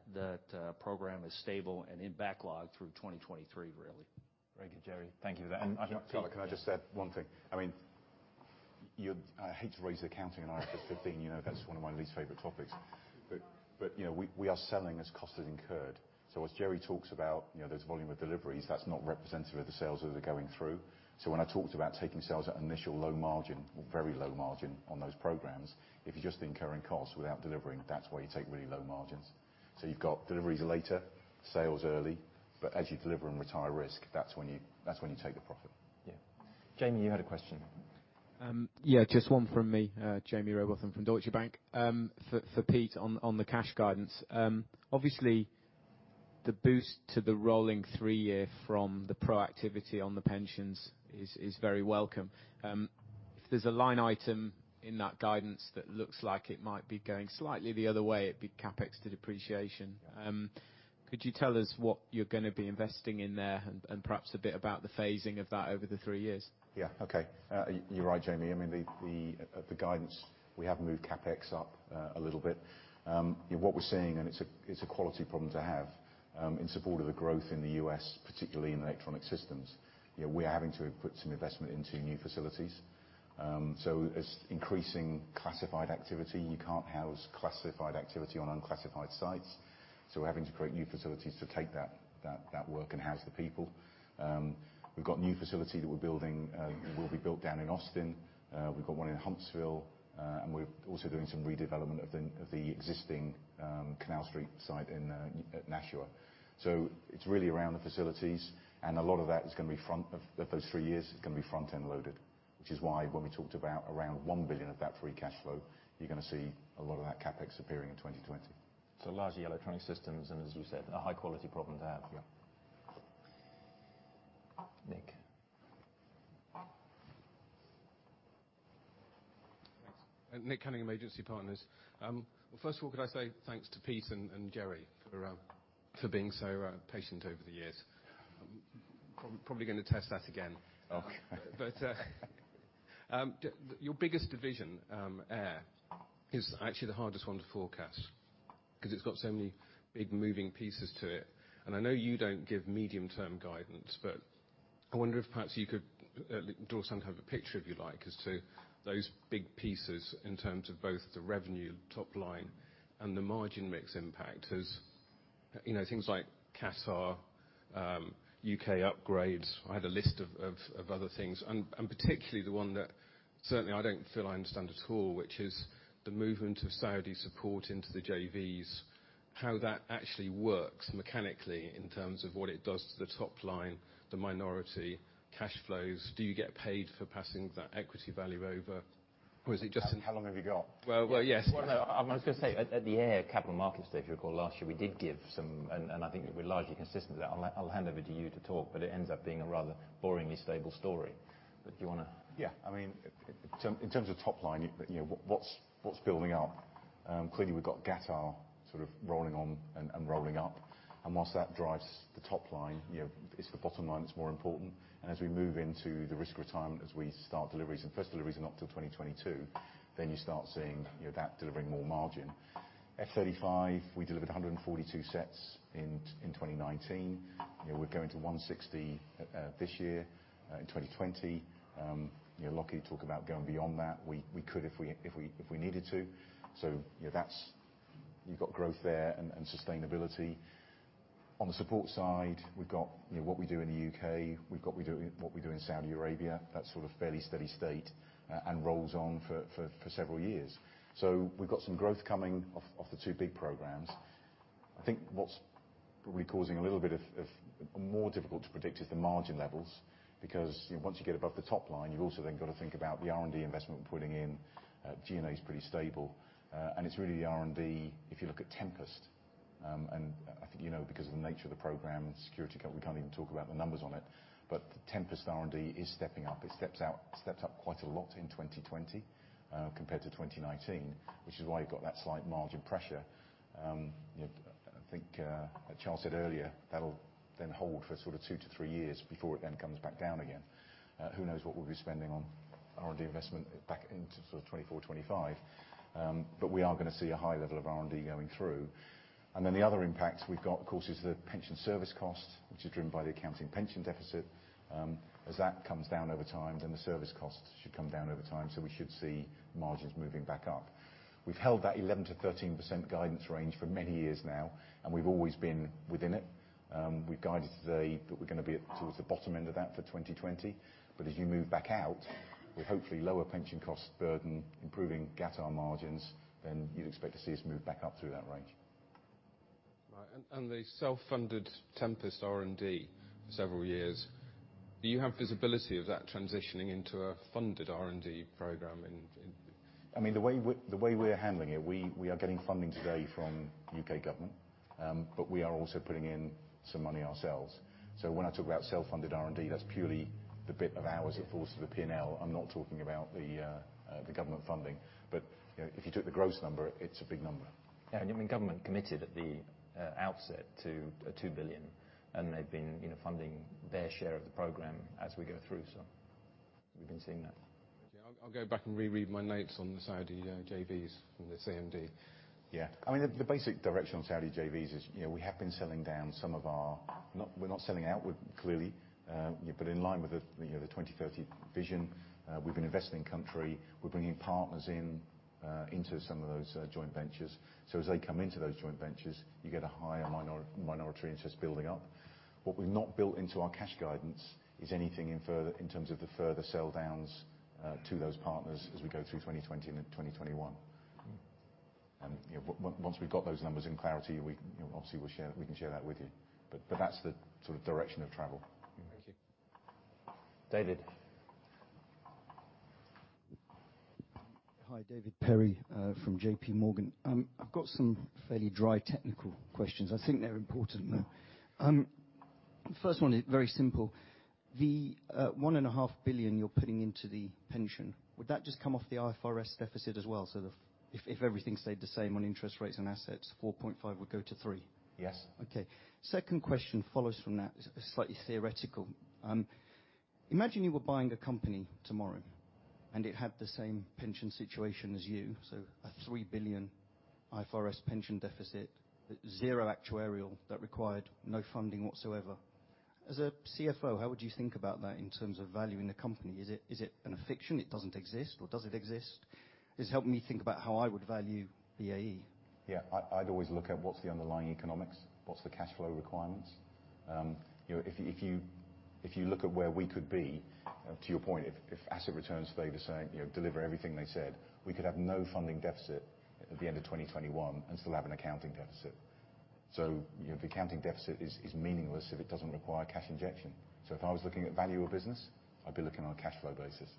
program is stable and in backlog through 2023, really. Very good, Jerry DeMuro. Thank you for that. Charles Woodburn, can I just add one thing? I hate to raise the accounting in IFRS 15. That's one of my least favorite topics. We are selling as costs are incurred. As Jerry DeMuro talks about those volume of deliveries, that's not representative of the sales that are going through. When I talked about taking sales at initial low margin or very low margin on those programs, if you're just incurring costs without delivering, that's why you take really low margins. You've got deliveries later, sales early, but as you deliver and retire risk, that's when you take the profit. Yeah. Jaime Rowbotham, you had a question. Just one from me. Jaime Rowbotham from Deutsche Bank. For Peter Lynas, on the cash guidance. Obviously, the boost to the rolling three-year from the proactivity on the pensions is very welcome. If there's a line item in that guidance that looks like it might be going slightly the other way, it'd be CapEx to depreciation. Could you tell us what you're going to be investing in there, and perhaps a bit about the phasing of that over the three years? Okay. You're right, Jaime Rowbotham. The guidance, we have moved CapEx up a little bit. What we're seeing, and it's a quality problem to have, in support of the growth in the U.S., particularly in electronic systems, we're having to put some investment into new facilities. It's increasing classified activity. You can't house classified activity on unclassified sites, we're having to create new facilities to take that work and house the people. We've got a new facility that we're building, will be built down in Austin. We've got one in Huntsville. We're also doing some redevelopment of the existing, Canal Street site at Nashua. It's really around the facilities, and a lot of that is going to be, of those three years, it's going to be front-end loaded, which is why when we talked about around 1 billion of that free cash flow, you're going to see a lot of that CapEx appearing in 2020. Largely electronic systems and as you said, a high quality problem to have. Yeah. Nick Cunningham. Thanks. Nick Cunningham, Agency Partners. First of all, could I say thanks to Peter Lynas and Jerry DeMuro for being so patient over the years. I'm probably going to test that again. Okay. Your biggest division, Air, is actually the hardest one to forecast because it's got so many big moving pieces to it, I know you don't give medium term guidance, but I wonder if perhaps you could draw some type of picture, if you like, as to those big pieces in terms of both the revenue top line and the margin mix impact as things like Qatar, U.K. upgrades. I had a list of other things, and particularly the one that certainly I don't feel I understand at all, which is the movement of Saudi support into the JVs, how that actually works mechanically in terms of what it does to the top line, the minority cash flows. Do you get paid for passing that equity value over? Is it just How long have you got? Well, yes. Well, no. I was going to say at our capital markets day, if you recall last year, we did give some. I think that we're largely consistent with that. I'll hand over to you to talk, but it ends up being a rather boringly stable story. Do you want to add? Yeah, in terms of top line, what's building up? Clearly, we've got Qatar sort of rolling on and rolling up, and whilst that drives the top line, it's the bottom line that's more important. As we move into the risk retirement, as we start deliveries, and first deliveries are not till 2022, you start seeing that delivering more margin. F-35, we delivered 142 sets in 2019. We're going to 160 this year, in 2020. Lucky to talk about going beyond that. We could if we needed to. You've got growth there and sustainability. On the support side, we've got what we do in the U.K., we've got what we do in Saudi Arabia, that's sort of fairly steady state, and rolls on for several years. We've got some growth coming off the two big programs. I think what's probably causing a little bit of more difficult to predict is the margin levels, because once you get above the top line, you've also then got to think about the R&D investment we're putting in. G&A's pretty stable. It's really the R&D, if you look at Tempest. I think you know because of the nature of the program and security, we can't even talk about the numbers on it. Tempest R&D is stepping up. It steps up quite a lot in 2020, compared to 2019, which is why you've got that slight margin pressure. I think, as Charles Woodburn said earlier, that'll then hold for sort of two to three years before it then comes back down again. Who knows what we'll be spending on R&D investment back into sort of 2024, 2025. We are going to see a high level of R&D going through. The other impact we've got, of course, is the pension service cost, which is driven by the accounting pension deficit. As that comes down over time, then the service cost should come down over time, so we should see margins moving back up. We've held that 11%-13% guidance range for many years now, and we've always been within it. We've guided today that we're going to be towards the bottom end of that for 2020. As you move back out, with hopefully lower pension cost burden, improving Qatar margins, then you'd expect to see us move back up through that range. Right. The self-funded Tempest R&D for several years, do you have visibility of that transitioning into a funded R&D program? The way we are handling it, we are getting funding today from U.K. government. We are also putting in some money ourselves. When I talk about self-funded R&D, that's purely the bit of ours that falls to the P&L. I'm not talking about the government funding, but if you took the gross number, it's a big number. Yeah. Government committed at the outset to 2 billion, and they've been funding their share of the program as we go through, so we've been seeing that. I'll go back and reread my notes on the Saudi JVs from the CMD. The basic direction on Saudi JVs is, we have been selling down some of our. We're not selling outward, clearly. In line with the Saudi Vision 2030, we've been investing in country, we're bringing partners in, into some of those joint ventures. As they come into those joint ventures, you get a higher minority interest building up. What we've not built into our cash guidance is anything in terms of the further sell downs to those partners as we go through 2020 and into 2021. Once we've got those numbers in clarity, obviously we can share that with you. That's the sort of direction of travel. Thank you. David Perry. Hi, David Perry from JPMorgan. I've got some fairly dry technical questions. I think they're important, though. First one is very simple. The 1.5 billion you're putting into the pension, would that just come off the IFRS deficit as well? If everything stayed the same on interest rates and assets, 4.5 billion would go to 3 billion? Yes. Okay. Second question follows from that, is slightly theoretical. Imagine you were buying a company tomorrow, and it had the same pension situation as you, so a 3 billion IFRS pension deficit, zero actuarial that required no funding whatsoever. As a CFO, how would you think about that in terms of valuing the company? Is it in a fiction? It doesn't exist, or does it exist? Just help me think about how I would value BAE. Yeah. I'd always look at what's the underlying economics, what's the cash flow requirements. If you look at where we could be, to your point, if asset returns stay the same, deliver everything they said, we could have no funding deficit at the end of 2021 and still have an accounting deficit. The accounting deficit is meaningless if it doesn't require a cash injection. If I was looking at value of business, I'd be looking on a cash flow basis,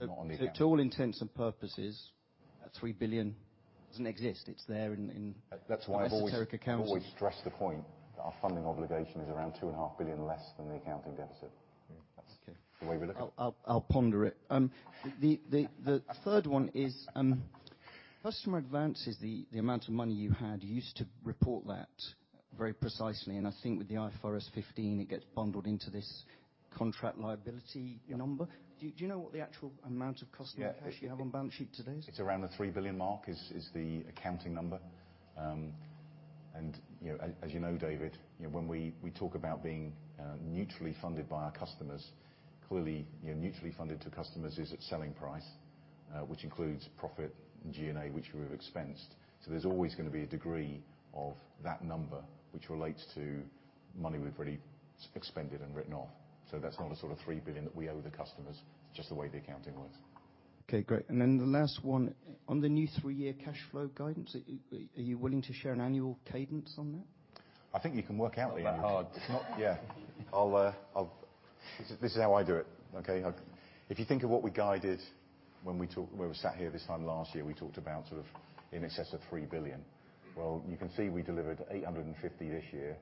not on the account. To all intents and purposes, 3 billion doesn't exist. That's why I've always- esoteric accounts always stressed the point that our funding obligation is around 2.5 billion less than the accounting deficit. Mm-hmm, okay. That's the way we look at it. I'll ponder it. The third one is, customer advances, the amount of money you had, you used to report that very precisely, and I think with the IFRS 15, it gets bundled into this contract liability number. Yeah. Do you know what the actual amount of customer cash you have on balance sheet today is? It's around the 3 billion mark, is the accounting number. As you know, David Perry, when we talk about being neutrally funded by our customers, clearly, neutrally funded to customers is at selling price, which includes profit and G&A which we've expensed. There's always going to be a degree of that number which relates to money we've already expended and written off. That's not a sort of 3 billion that we owe the customers, it's just the way the accounting works. Okay, great. The last one, on the new three-year cash flow guidance, are you willing to share an annual cadence on that? I think you can work out the annual-. It's that hard. It's not. This is how I do it, okay? If you think of what we guided when we sat here this time last year, we talked about sort of in excess of 3 billion. Well, you can see we delivered 850 million this year.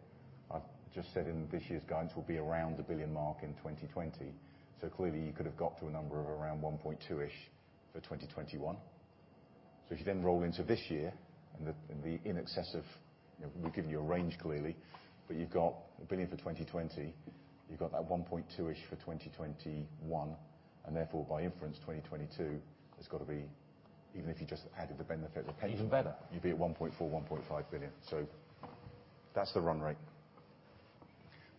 I've just said in this year's guidance we'll be around the 1 billion mark in 2020. Clearly you could've got to a number of around 1.2 billion-ish for 2021. If you then roll into this year, we've given you a range, clearly, but you've got 1 billion for 2020, you've got that 1.2 billion-ish for 2021, and therefore, by inference, 2022 has got to be, even if you just added the benefit of- Even better. You'd be at 1.4 billion, 1.5 billion. That's the run rate.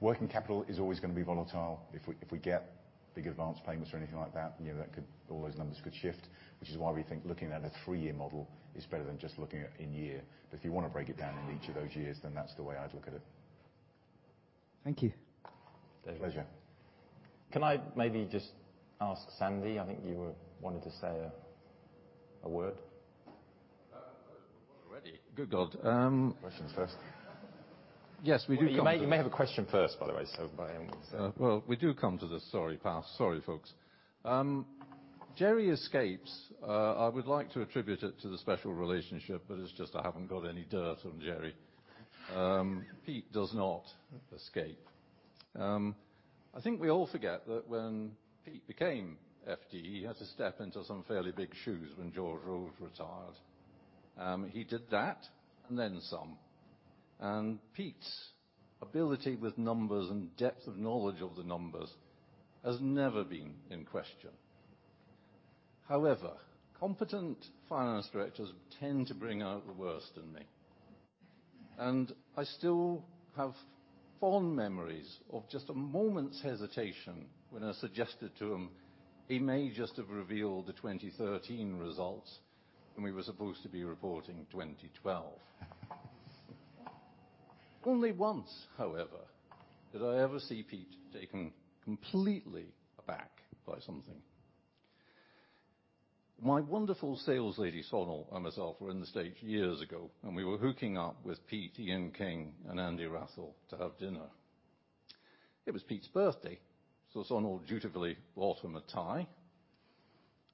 Working capital is always going to be volatile. If we get big advance payments or anything like that, all those numbers could shift, which is why we think looking at a 3-year model is better than just looking at in year. If you want to break it down into each of those years, that's the way I'd look at it. Thank you. Pleasure. Can I maybe just ask Sandy? I think you were wanting to say a word. Ready. Good God. Questions first. Yes, we do. You may have a question first, by the way. By all means. We do come to this. Sorry, folks. Jerry DeMuro escapes. I would like to attribute it to the special relationship, but it's just I haven't got any dirt on Jerry DeMuro. Peter Lynas does not escape. I think we all forget that when Peter Lynas became FD, he had to step into some fairly big shoes when George Rose retired. He did that, and then some. Peter Lynas' ability with numbers and depth of knowledge of the numbers has never been in question. However, competent finance directors tend to bring out the worst in me. I still have fond memories of just a moment's hesitation when I suggested to him he may just have revealed the 2013 results when we were supposed to be reporting 2012. Only once, however, did I ever see Peter Lynas taken completely aback by something. My wonderful saleslady, Sonal, and myself were in the States years ago. We were hooking up with Peter Lynas, Ian King, and Andy Rathmell to have dinner. It was Peter Lynas' birthday. Sonal dutifully bought him a tie.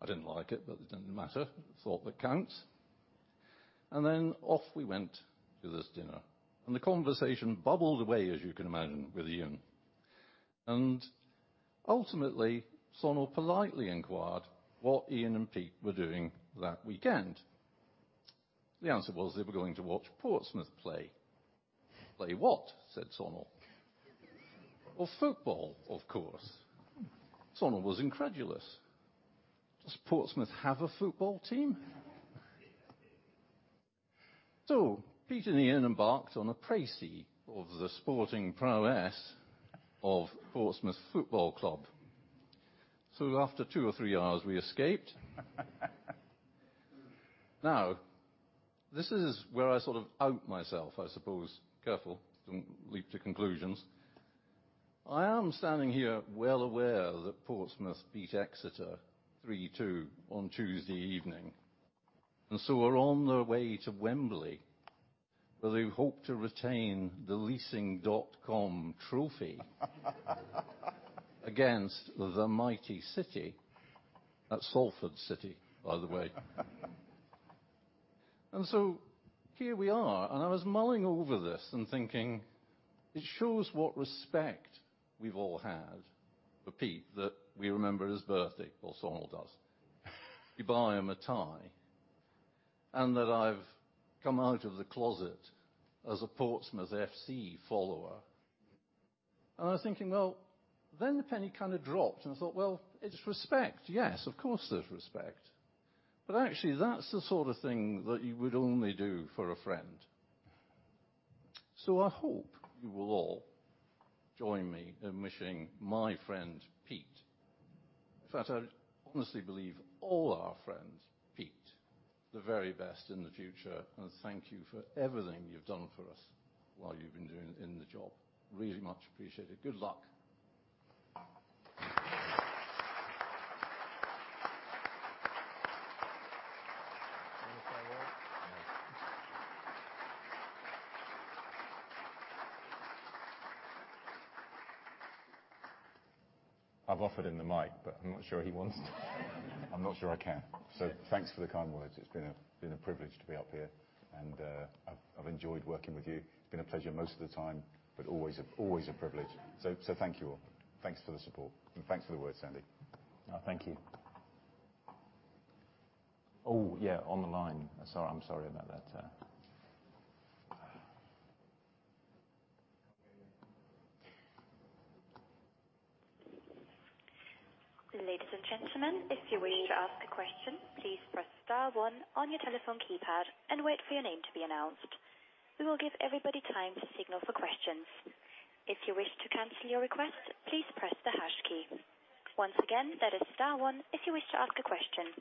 I didn't like it. It didn't matter. Thought that counts. Off we went to this dinner. The conversation bubbled away, as you can imagine, with Ian King. Ultimately, Sonal politely inquired what Ian King and Peter Lynas were doing that weekend. The answer was they were going to watch Portsmouth play. "Play what?" said Sonal. "Well, football, of course." Sonal was incredulous. "Does Portsmouth have a football team?" Peter Lynas and Ian King embarked on a precis of the sporting prowess of Portsmouth Football Club. After two or three hours, we escaped. Now, this is where I sort of out myself, I suppose. Careful, don't leap to conclusions. I am standing here well aware that Portsmouth beat Exeter 3-2 on Tuesday evening, are on their way to Wembley, where they hope to retain the Leasing.com Trophy against the mighty City, that's Salford City, by the way. Here we are, I was mulling over this and thinking it shows what respect we've all had for Peter Lynas that we remember his birthday, or Sonal does, you buy him a tie, and that I've come out of the closet as a Portsmouth FC follower. I was thinking, well, the penny kind of dropped, and I thought, "Well, it's respect. Yes, of course there's respect." Actually that's the sort of thing that you would only do for a friend. I hope you will all join me in wishing my friend Peter Lynas, in fact, I honestly believe all our friends, Peter Lynas, the very best in the future, and thank you for everything you've done for us while you've been doing in the job. Really much appreciated. Good luck. Want to say a word? No. I've offered him the mic, but I'm not sure he wants it. I'm not sure I can. Thanks for the kind words. It's been a privilege to be up here, and I've enjoyed working with you. It's been a pleasure most of the time, but always a privilege. Thank you all. Thanks for the support, and thanks for the words, Sandy. No, thank you. Oh, yeah, on the line. I'm sorry about that. Ladies and gentlemen, if you wish to ask a question, please press star one on your telephone keypad and wait for your name to be announced. We will give everybody time to signal for questions. If you wish to cancel your request, please press the hash key. Once again, that is star one if you wish to ask a question.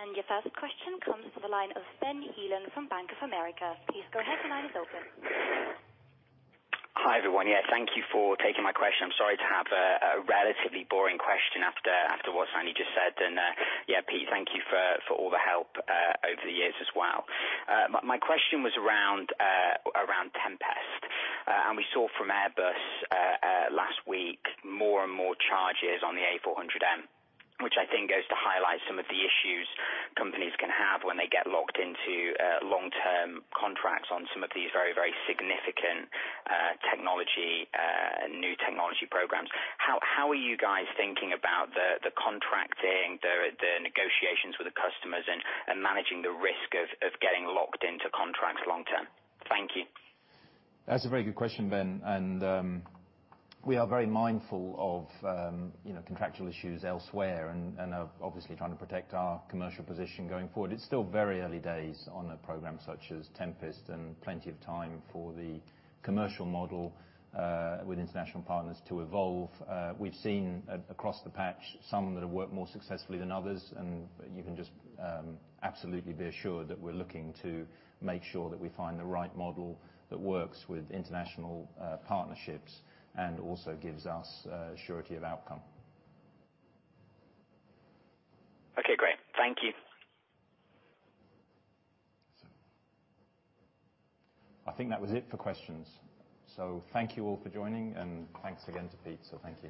That's it. Your first question comes to the line of Ben Heelan from Bank of America. Please go ahead, the line is open. Hi, everyone. Yeah, thank you for taking my question. I'm sorry to have a relatively boring question after what Sandy just said, and, yeah, Peter Lynas, thank you for all the help over the years as well. My question was around Tempest. We saw from Airbus last week more and more charges on the A400M, which I think goes to highlight some of the issues companies can have when they get locked into long-term contracts on some of these very significant technology, new technology programs. How are you guys thinking about the contracting, the negotiations with the customers and managing the risk of getting locked into contracts long term? Thank you. That's a very good question, Ben Heelan. We are very mindful of contractual issues elsewhere and are obviously trying to protect our commercial position going forward. It's still very early days on a program such as Tempest, and plenty of time for the commercial model, with international partners to evolve. We've seen across the patch some that have worked more successfully than others, and you can just absolutely be assured that we're looking to make sure that we find the right model that works with international partnerships and also gives us surety of outcome. Okay, great. Thank you. That's it. I think that was it for questions. Thank you all for joining, and thanks again to Peter Lynas.